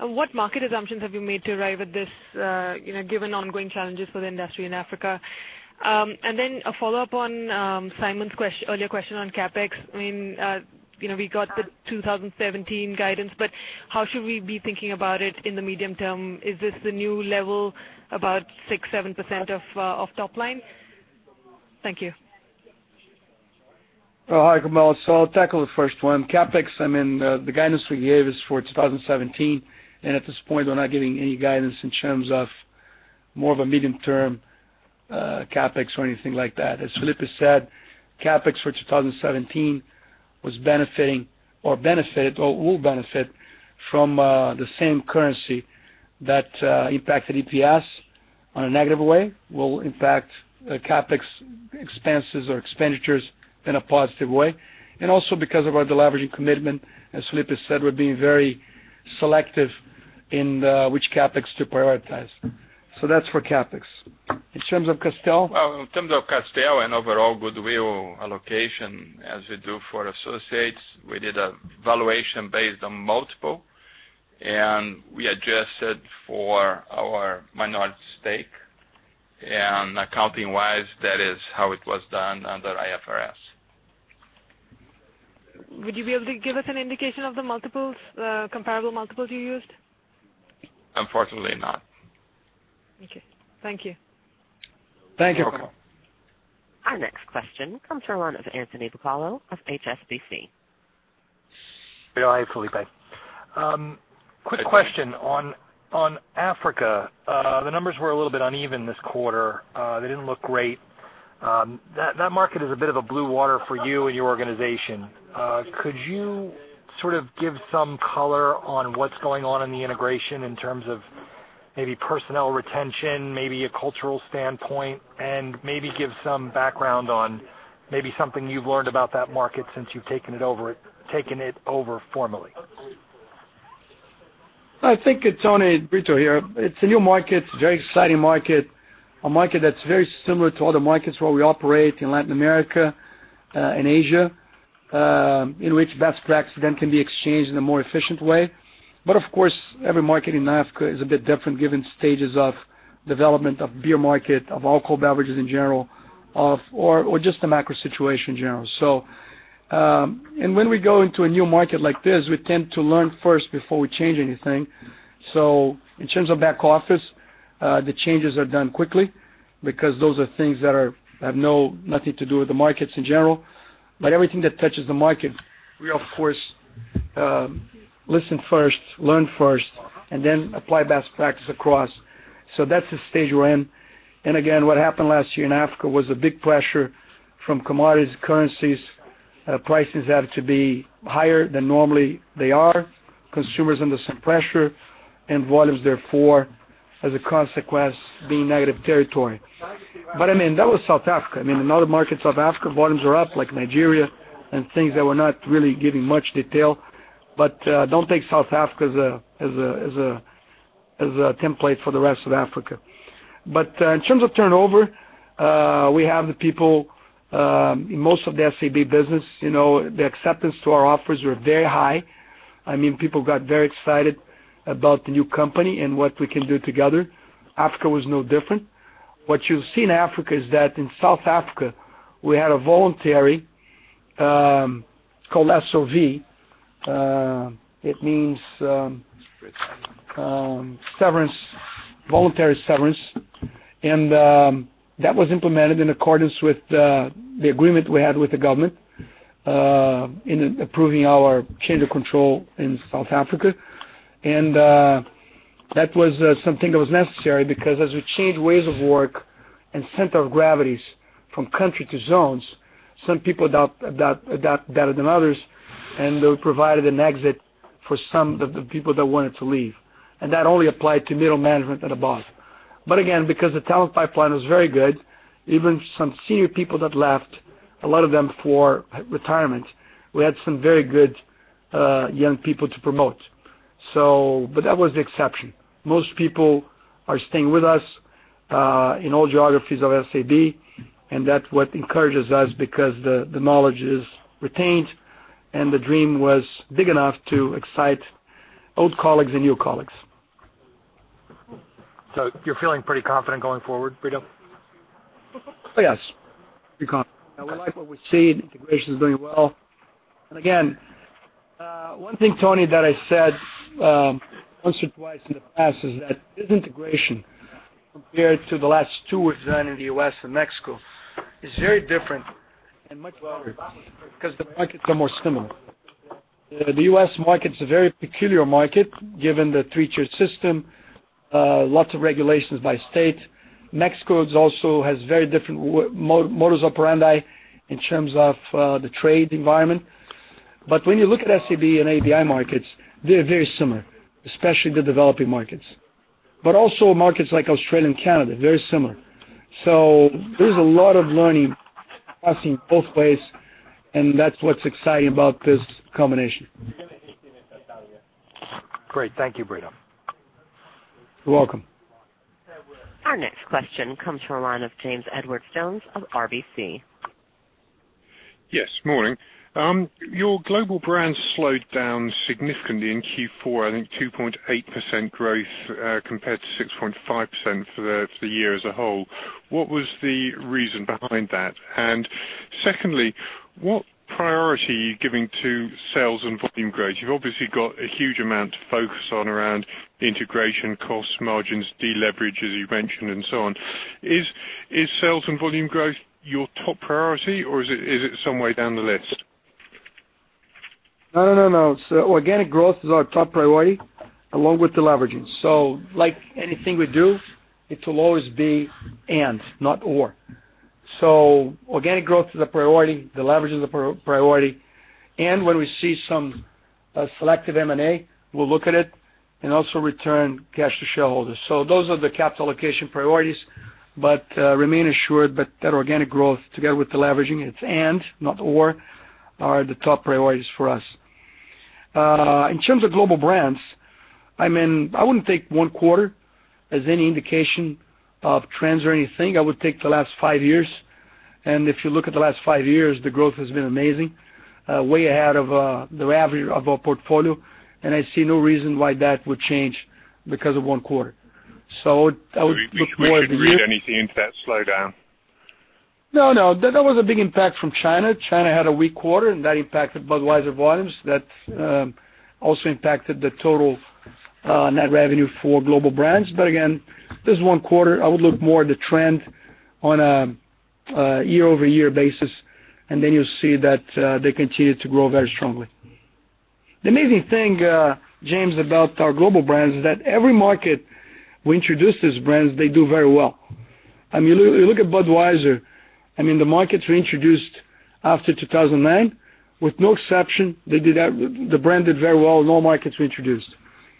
What market assumptions have you made to arrive at this, given ongoing challenges for the industry in Africa? A follow-up on Simon's earlier question on CapEx. We got the 2017 guidance, how should we be thinking about it in the medium term? Is this the new level, about 6%, 7% of top line? Thank you. Hi, Komal. I'll tackle the first one. CapEx, the guidance we gave is for 2017, at this point, we're not giving any guidance in terms of more of a medium-term CapEx or anything like that. As Felipe said, CapEx for 2017 was benefiting or benefited or will benefit from the same currency that impacted EPS in a negative way, will impact CapEx expenses or expenditures in a positive way. Also because of our deleveraging commitment, as Felipe said, we're being very selective in which CapEx to prioritize. That's for CapEx. In terms of Castel? In terms of Castel and overall goodwill allocation, as we do for associates, we did a valuation based on multiple, and we adjusted for our minority stake. Accounting-wise, that is how it was done under IFRS. Would you be able to give us an indication of the comparable multiples you used? Unfortunately not. Okay. Thank you. Thank you. You're welcome. Our next question comes from the line of Anthony Bucalo of HSBC. Hi, Felipe. Hi. Quick question on Africa. The numbers were a little bit uneven this quarter. They didn't look great. That market is a bit of a blue water for you and your organization. Could you give some color on what's going on in the integration in terms of maybe personnel retention, maybe a cultural standpoint? Maybe give some background on maybe something you've learned about that market since you've taken it over formally. I think it's only Brito here. It's a new market, it's a very exciting market. A market that's very similar to other markets where we operate in Latin America and Asia, in which best practices then can be exchanged in a more efficient way. Of course, every market in Africa is a bit different given stages of development of beer market, of alcohol beverages in general, or just the macro situation in general. When we go into a new market like this, we tend to learn first before we change anything. In terms of back office, the changes are done quickly because those are things that have nothing to do with the markets in general. Everything that touches the market, we of course listen first, learn first, and then apply best practice across. That's the stage we're in. Again, what happened last year in Africa was a big pressure from commodities, currencies. Prices had to be higher than normally they are. Consumers under some pressure, and volumes therefore, as a consequence, being negative territory. That was South Africa. In other markets of Africa, volumes are up, like Nigeria and things that we're not really giving much detail. Don't take South Africa as a template for the rest of Africa. In terms of turnover, we have the people, in most of the SABMiller business, the acceptance to our offers were very high. People got very excited about the new company and what we can do together. Africa was no different. What you've seen in Africa is that in South Africa, we had a voluntary, it's called SOV. It means voluntary severance. That was implemented in accordance with the agreement we had with the government in approving our change of control in South Africa. That was something that was necessary because as we changed ways of work and center of gravities from country to zones, some people adapt better than others, and we provided an exit for some of the people that wanted to leave. That only applied to middle management and above. Again, because the talent pipeline was very good, even some senior people that left, a lot of them for retirement, we had some very good young people to promote. That was the exception. Most people are staying with us in all geographies of SABMiller, and that's what encourages us because the knowledge is retained, and the dream was big enough to excite old colleagues and new colleagues. You're feeling pretty confident going forward, Brito? Yes. Pretty confident. We like what we see. The integration is doing well. Again, one thing, Tony, that I said once or twice in the past is that this integration, compared to the last two we've done in the U.S. and Mexico, is very different and much better because the markets are more similar. The U.S. market's a very peculiar market, given the three-tiered system, lots of regulations by state. Mexico also has very different modus operandi in terms of the trade environment. When you look at SAB and ABI markets, they're very similar, especially the developing markets. Also markets like Australia and Canada, very similar. There's a lot of learning passing both ways, and that's what's exciting about this combination. Great. Thank you, Brito. You're welcome. Our next question comes from the line of James Edwardes Jones of RBC. Yes, morning. Your global brand slowed down significantly in Q4, I think 2.8% growth compared to 6.5% for the year as a whole. What was the reason behind that? Secondly, what priority are you giving to sales and volume growth? You've obviously got a huge amount to focus on around the integration cost margins, deleverage, as you mentioned, and so on. Is sales and volume growth your top priority, or is it some way down the list? No. Organic growth is our top priority along with deleveraging. Like anything we do, it will always be and not or. Organic growth is a priority, deleverage is a priority, and when we see some selective M&A, we'll look at it, and also return cash to shareholders. Those are the capital allocation priorities, but remain assured that organic growth together with deleveraging, it's and not or, are the top priorities for us. In terms of global brands, I wouldn't take one quarter as any indication of trends or anything. I would take the last five years, and if you look at the last five years, the growth has been amazing, way ahead of the average of our portfolio, and I see no reason why that would change because of one quarter. I would look more at the year- You think we should read anything into that slowdown? No. That was a big impact from China. China had a weak quarter, and that impacted Budweiser volumes. That also impacted the total net revenue for global brands. Again, this is one quarter. I would look more at the trend on a year-over-year basis, and then you'll see that they continue to grow very strongly. The amazing thing, James, about our global brands is that every market we introduce these brands, they do very well. You look at Budweiser. The markets were introduced after 2009. With no exception, the brand did very well in all markets we introduced.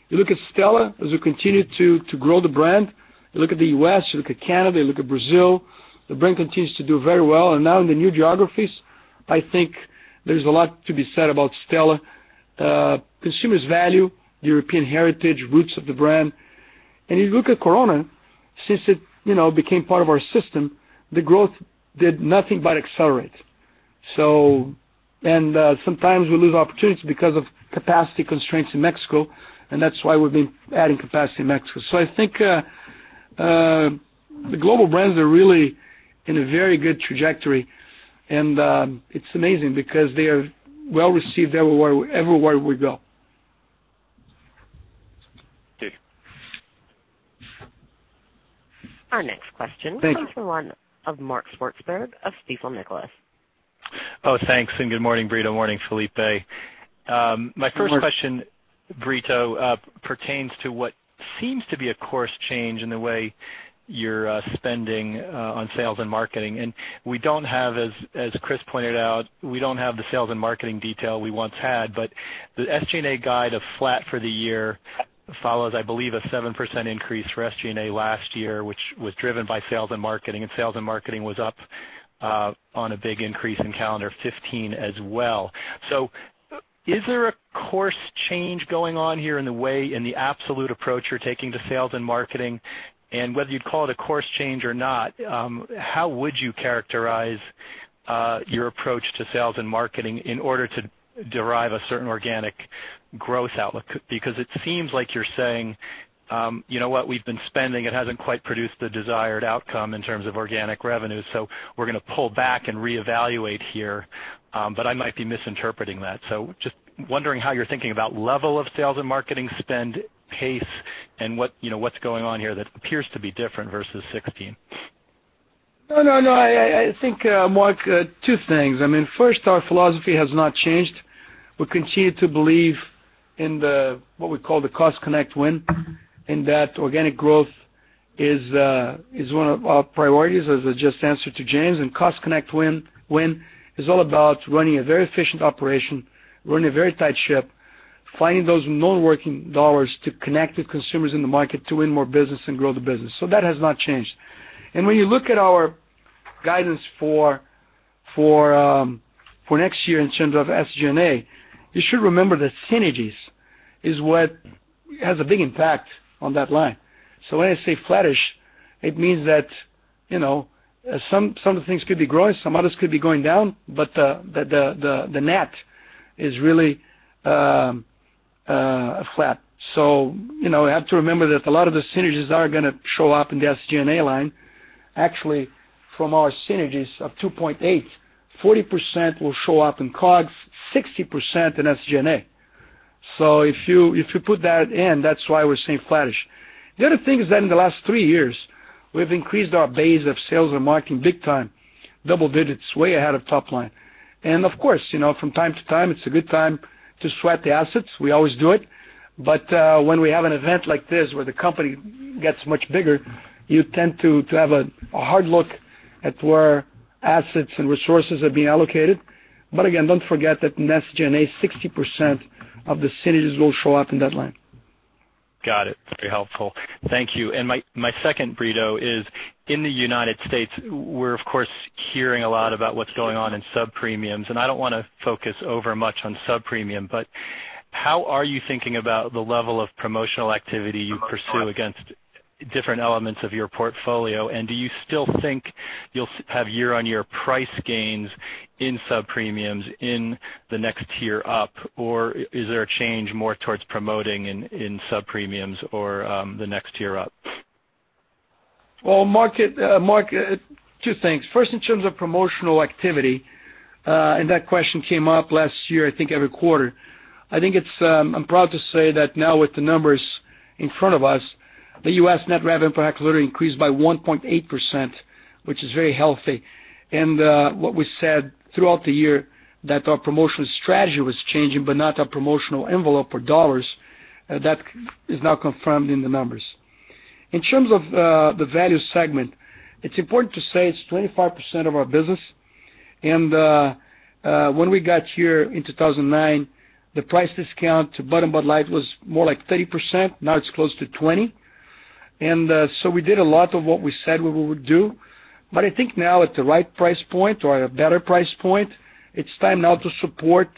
You look at Stella, as we continue to grow the brand. You look at the U.S., you look at Canada, you look at Brazil, the brand continues to do very well. Now in the new geographies, I think there's a lot to be said about Stella. Consumers value the European heritage roots of the brand. You look at Corona, since it became part of our system, the growth did nothing but accelerate. Sometimes we lose opportunities because of capacity constraints in Mexico, and that's why we've been adding capacity in Mexico. I think the global brands are really in a very good trajectory, and it's amazing because they are well-received everywhere we go. Thank you. Our next question. Thank you. Comes from the line of Mark Swartzberg of Stifel Nicolaus. Oh, thanks. Good morning, Brito. Morning, Felipe. Good morning. My first question, Brito, pertains to what seems to be a course change in the way you're spending on sales and marketing. As Chris pointed out, we don't have the sales and marketing detail we once had, but the SG&A guide of flat for the year follows, I believe, a 7% increase for SG&A last year, which was driven by sales and marketing. Sales and marketing was up on a big increase in calendar 2015 as well. Is there a course change going on here in the way, in the absolute approach you're taking to sales and marketing? Whether you'd call it a course change or not, how would you characterize your approach to sales and marketing in order to derive a certain organic growth outlook? It seems like you're saying, "You know what? We've been spending. It hasn't quite produced the desired outcome in terms of organic revenue, so we're going to pull back and reevaluate here." I might be misinterpreting that. Just wondering how you're thinking about level of sales and marketing spend, pace, and what's going on here that appears to be different versus 2016. No, I think, Mark, two things. First, our philosophy has not changed. We continue to believe in what we call the Cost-Connect-Win, in that organic growth is one of our priorities, as I just answered to James. Cost-Connect-Win is all about running a very efficient operation, running a very tight ship, finding those non-working dollars to connect with consumers in the market to win more business and grow the business. That has not changed. When you look at our guidance for next year in terms of SG&A, you should remember that synergies is what has a big impact on that line. When I say flattish, it means that some of the things could be growing, some others could be going down, but the net is really flat. We have to remember that a lot of the synergies are going to show up in the SG&A line. Actually, from our synergies of 2.8, 40% will show up in COGS, 60% in SG&A. If you put that in, that's why we're saying flattish. The other thing is that in the last three years, we've increased our base of sales and marketing big time, double digits, way ahead of top line. Of course, from time to time, it's a good time to sweat the assets. We always do it. When we have an event like this where the company gets much bigger, you tend to have a hard look at where assets and resources are being allocated. Again, don't forget that in SG&A, 60% of the synergies will show up in that line. Got it. Very helpful. Thank you. My second, Brito, is in the U.S., we're of course hearing a lot about what's going on in sub-premiums, and I don't want to focus over much on sub-premium, but how are you thinking about the level of promotional activity you pursue against different elements of your portfolio? Do you still think you'll have year-on-year price gains in sub-premiums in the next tier up, or is there a change more towards promoting in sub-premiums or the next tier up? Well, Mark, two things. First, in terms of promotional activity, that question came up last year, I think every quarter. I'm proud to say that now with the numbers in front of us, the U.S. net revenue per hectolitre increased by 1.8%, which is very healthy. What we said throughout the year, that our promotional strategy was changing, but not our promotional envelope or U.S. dollars, that is now confirmed in the numbers. In terms of the value segment, it's important to say it's 25% of our business. When we got here in 2009, the price discount to Bud and Bud Light was more like 30%, now it's close to 20%. We did a lot of what we said we would do. I think now at the right price point or a better price point, it's time now to support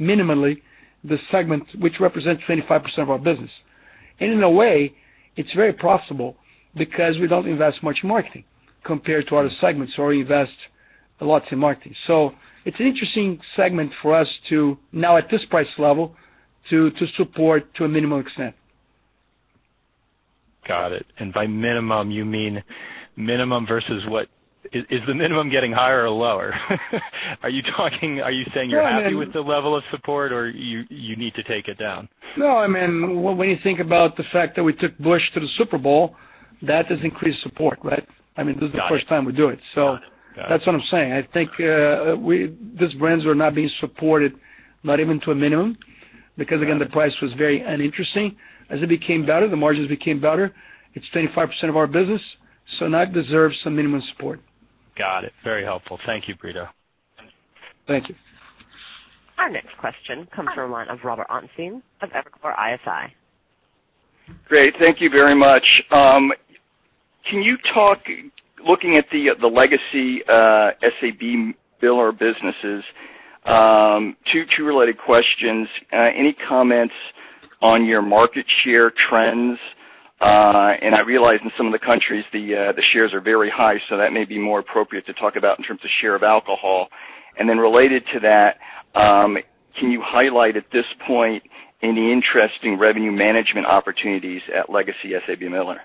minimally the segment, which represents 25% of our business. In a way, it's very profitable because we don't invest much marketing compared to other segments where we invest lots in marketing. It's an interesting segment for us to, now at this price level, to support to a minimum extent. Got it. By minimum, you mean minimum versus what? Is the minimum getting higher or lower? Are you saying you're happy with the level of support, or you need to take it down? No, when you think about the fact that we took Busch to the Super Bowl, that does increase support, right? This is the first time we do it. Got it. That's what I'm saying. I think these brands were not being supported, not even to a minimum, because, again, the price was very uninteresting. As it became better, the margins became better. It's 25% of our business, now it deserves some minimum support. Got it. Very helpful. Thank you, Brito. Thank you. Our next question comes from the line of Robert Ottenstein of Evercore ISI. Great, thank you very much. Can you talk, looking at the legacy SABMiller businesses, two related questions. Any comments on your market share trends? I realize in some of the countries, the shares are very high, so that may be more appropriate to talk about in terms of share of alcohol. Then related to that, can you highlight at this point any interesting revenue management opportunities at legacy SABMiller?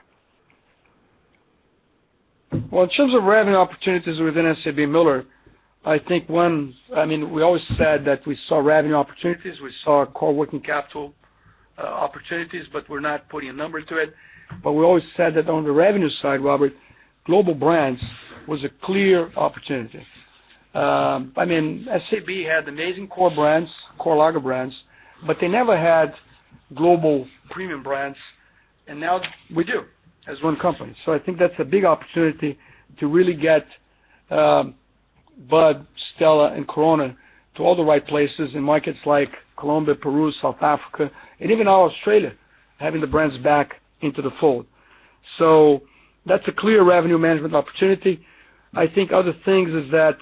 Well, in terms of revenue opportunities within SABMiller, we always said that we saw revenue opportunities, we saw core working capital opportunities, but we're not putting a number to it. We always said that on the revenue side, Robert, global brands was a clear opportunity. SAB had amazing core brands, core lager brands, but they never had global premium brands, and now we do as one company. I think that's a big opportunity to really get Bud, Stella, and Corona to all the right places in markets like Colombia, Peru, South Africa, and even now Australia, having the brands back into the fold. That's a clear revenue management opportunity. I think other things is that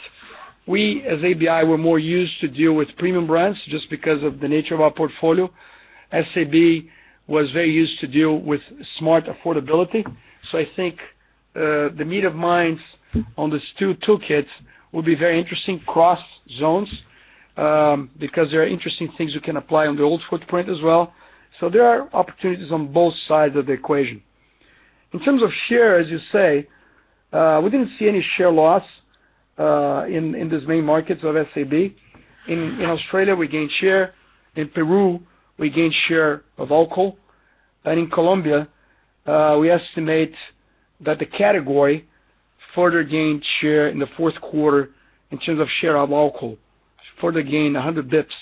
we, as ABI, were more used to deal with premium brands just because of the nature of our portfolio. SAB was very used to deal with smart affordability. I think the meet of minds on these two toolkits will be very interesting cross zones, because there are interesting things we can apply on the old footprint as well. There are opportunities on both sides of the equation. In terms of share, as you say, we didn't see any share loss in these main markets of SAB. In Australia, we gained share. In Peru, we gained share of alcohol. In Colombia, we estimate that the category further gained share in the fourth quarter in terms of share of alcohol, further gained 100 basis points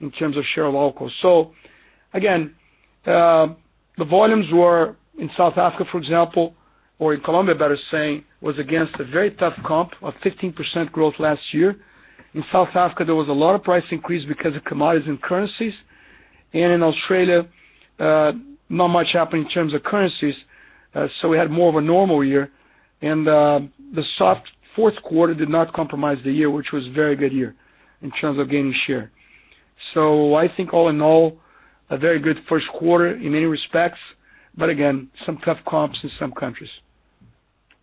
in terms of share of alcohol. Again, the volumes were in South Africa, for example, or in Colombia, better saying, was against a very tough comp of 15% growth last year. In South Africa, there was a lot of price increase because of commodities and currencies. In Australia, not much happened in terms of currencies. We had more of a normal year. The soft fourth quarter did not compromise the year, which was a very good year in terms of gaining share. I think all in all, a very good first quarter in many respects. Again, some tough comps in some countries.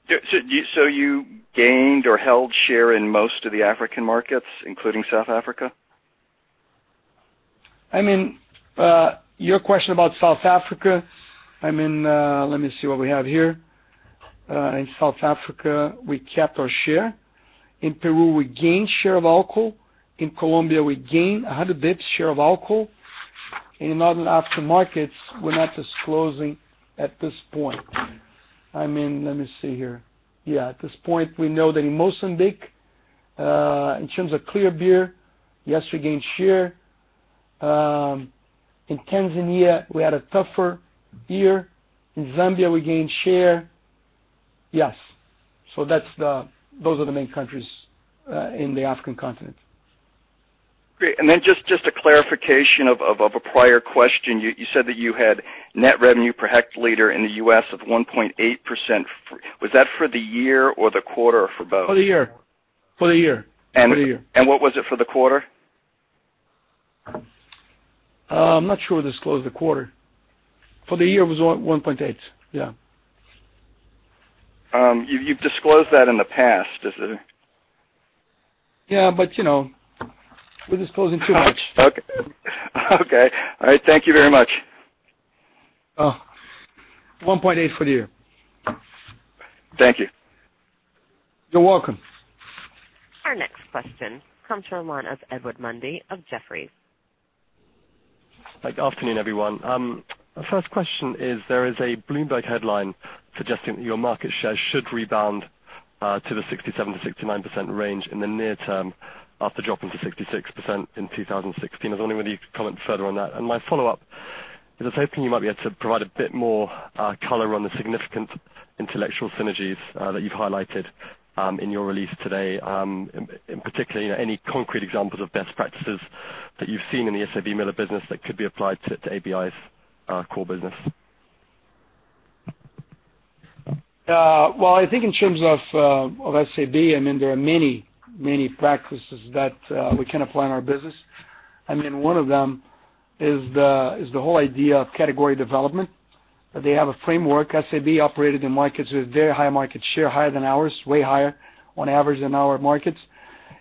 You gained or held share in most of the African markets, including South Africa? I mean, your question about South Africa, let me see what we have here. In South Africa, we kept our share. In Peru, we gained share of alcohol. In Colombia, we gained 100 basis points share of alcohol. In other African markets, we're not disclosing at this point. Let me see here. Yeah, at this point, we know that in Mozambique, in terms of clear beer, yes, we gained share. In Tanzania, we had a tougher year. In Zambia, we gained share. Yes. Those are the main countries, in the African continent. Great. Just a clarification of a prior question. You said that you had net revenue per hectoliter in the U.S. of 1.8%. Was that for the year or the quarter or for both? For the year. What was it for the quarter? I'm not sure we disclosed the quarter. For the year, it was 1.8. Yeah. You've disclosed that in the past. Is it? Yeah, we're disclosing too much. Okay. All right. Thank you very much. 1.8 for the year. Thank you. You're welcome. Our next question comes from the line of Edward Mundy of Jefferies. Good afternoon, everyone. First question is, there is a Bloomberg headline suggesting that your market share should rebound, to the 67%-69% range in the near term after dropping to 66% in 2016. I was wondering whether you could comment further on that. My follow-up is, I was hoping you might be able to provide a bit more color on the significant intellectual synergies that you've highlighted in your release today. In particular, any concrete examples of best practices that you've seen in the SABMiller business that could be applied to ABI's core business? Well, I think in terms of SABMiller, there are many practices that we can apply in our business. One of them is the whole idea of category development. They have a framework. SABMiller operated in markets with very high market share, higher than ours, way higher on average than our markets.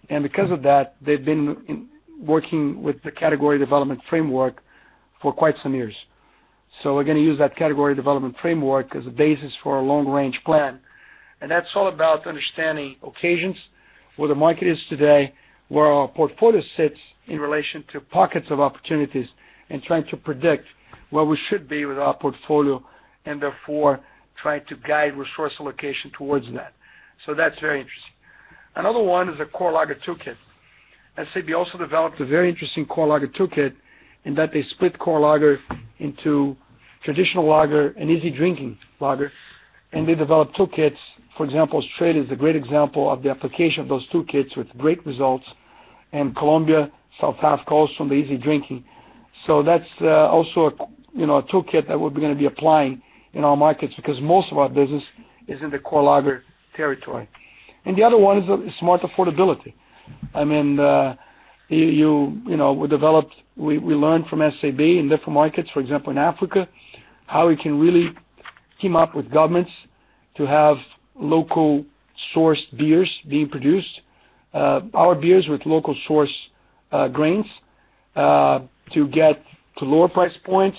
Because of that, they've been working with the category development framework for quite some years. We're going to use that category development framework as a basis for our long-range plan. That's all about understanding occasions, where the market is today, where our portfolio sits in relation to pockets of opportunities, and trying to predict where we should be with our portfolio and therefore trying to guide resource allocation towards that. That's very interesting. Another one is a core lager toolkit. SABMiller also developed a very interesting core lager toolkit in that they split core lager into traditional lager and easy drinking lager. They developed toolkits. For example, Australia is a great example of the application of those toolkits with great results. Colombia, South Africa also on the easy drinking. That's also a toolkit that we're going to be applying in our markets because most of our business is in the core lager territory. The other one is smart affordability. We learned from SABMiller in different markets, for example, in Africa, how we can really team up with governments to have local sourced beers being produced, our beers with local source grains, to get to lower price points.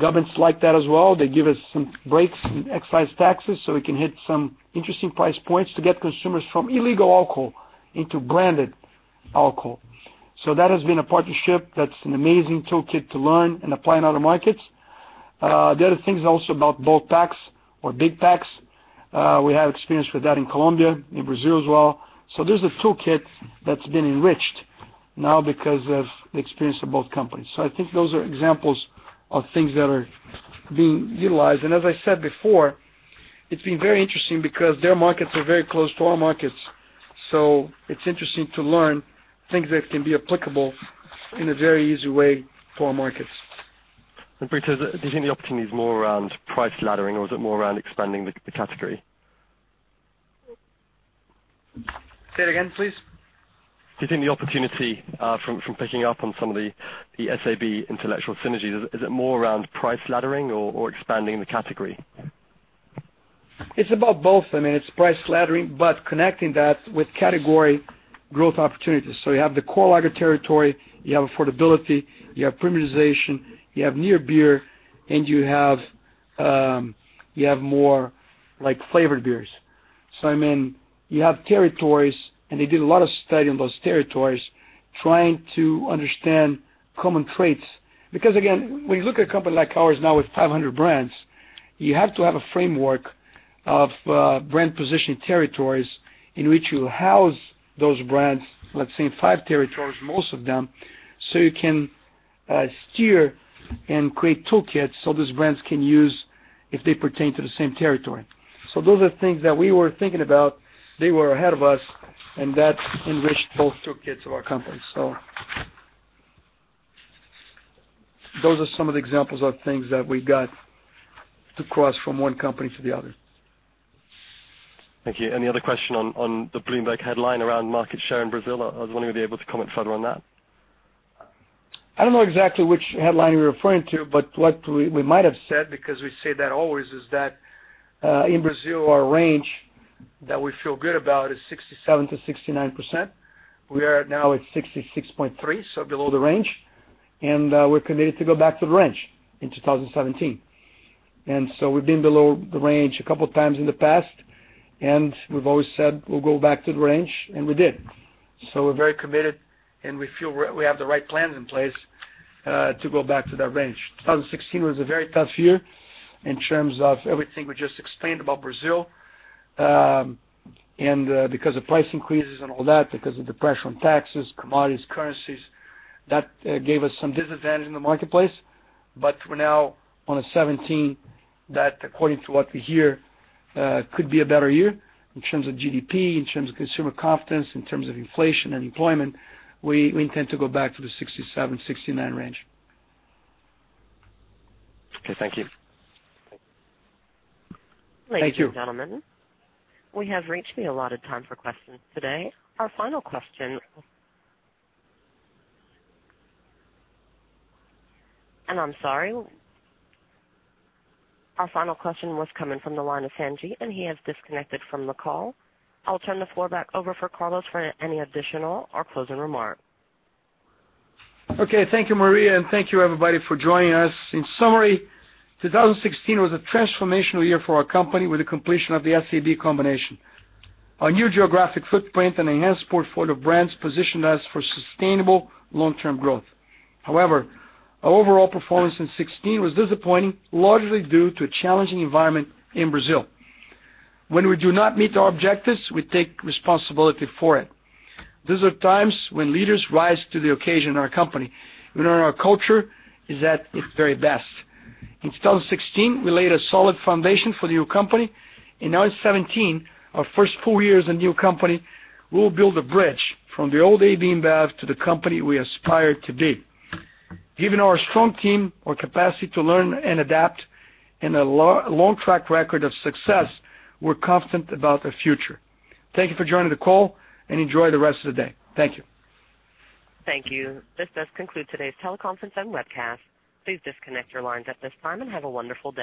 Governments like that as well. They give us some breaks in excise taxes, so we can hit some interesting price points to get consumers from illegal alcohol into branded alcohol. That has been a partnership that's an amazing toolkit to learn and apply in other markets. The other thing is also about bolt packs or big packs. We have experience with that in Colombia, in Brazil as well. There's a toolkit that's been enriched now because of the experience of both companies. I think those are examples of things that are being utilized. As I said before, it's been very interesting because their markets are very close to our markets. It's interesting to learn things that can be applicable in a very easy way for our markets. Brito, do you think the opportunity is more around price laddering or is it more around expanding the category? Say it again, please. Do you think the opportunity, from picking up on some of the SABMiller intellectual synergies, is it more around price laddering or expanding the category? It's about both. It's price laddering, but connecting that with category growth opportunities. You have the core lager territory, you have affordability, you have premiumization, you have near beer, and you have more flavored beers. You have territories, and they did a lot of study on those territories trying to understand common traits. Again, when you look at a company like ours now with 500 brands, you have to have a framework of brand positioning territories in which you house those brands, let's say in five territories, most of them, so you can steer and create toolkits so those brands can use if they pertain to the same territory. Those are things that we were thinking about. They were ahead of us, and that enriched both toolkits of our company. Those are some of the examples of things that we got to cross from one company to the other. Thank you. Any other question on the Bloomberg headline around market share in Brazil? I was wondering if you'd be able to comment further on that. I don't know exactly which headline you're referring to, but what we might have said, because we say that always, is that in Brazil, our range that we feel good about is 67%-69%. We are now at 66.3%, so below the range, and we're committed to go back to the range in 2017. We've been below the range a couple of times in the past, and we've always said we'll go back to the range, and we did. We're very committed, and we feel we have the right plans in place, to go back to that range. 2016 was a very tough year in terms of everything we just explained about Brazil. Because of price increases and all that, because of the pressure on taxes, commodities, currencies, that gave us some disadvantage in the marketplace. We're now on a 2017 that according to what we hear, could be a better year in terms of GDP, in terms of consumer confidence, in terms of inflation and employment. We intend to go back to the 67%-69% range. Okay, thank you. Thank you. Ladies and gentlemen, we have reached the allotted time for questions today. Our final question. I'm sorry. Our final question was coming from the line of Sanji, and he has disconnected from the call. I'll turn the floor back over for Carlos for any additional or closing remark. Okay. Thank you, Maria, and thank you, everybody, for joining us. In summary, 2016 was a transformational year for our company with the completion of the SABMiller combination. Our new geographic footprint and enhanced portfolio of brands positioned us for sustainable long-term growth. However, our overall performance in 2016 was disappointing, largely due to a challenging environment in Brazil. When we do not meet our objectives, we take responsibility for it. These are times when leaders rise to the occasion in our company. When our culture is at its very best. In 2016, we laid a solid foundation for the new company. In 2017, our first full year as a new company, we will build a bridge from the old AB InBev to the company we aspire to be. Given our strong team, our capacity to learn and adapt, and a long track record of success, we're confident about the future. Thank you for joining the call, and enjoy the rest of the day. Thank you. Thank you. This does conclude today's teleconference and webcast. Please disconnect your lines at this time and have a wonderful day.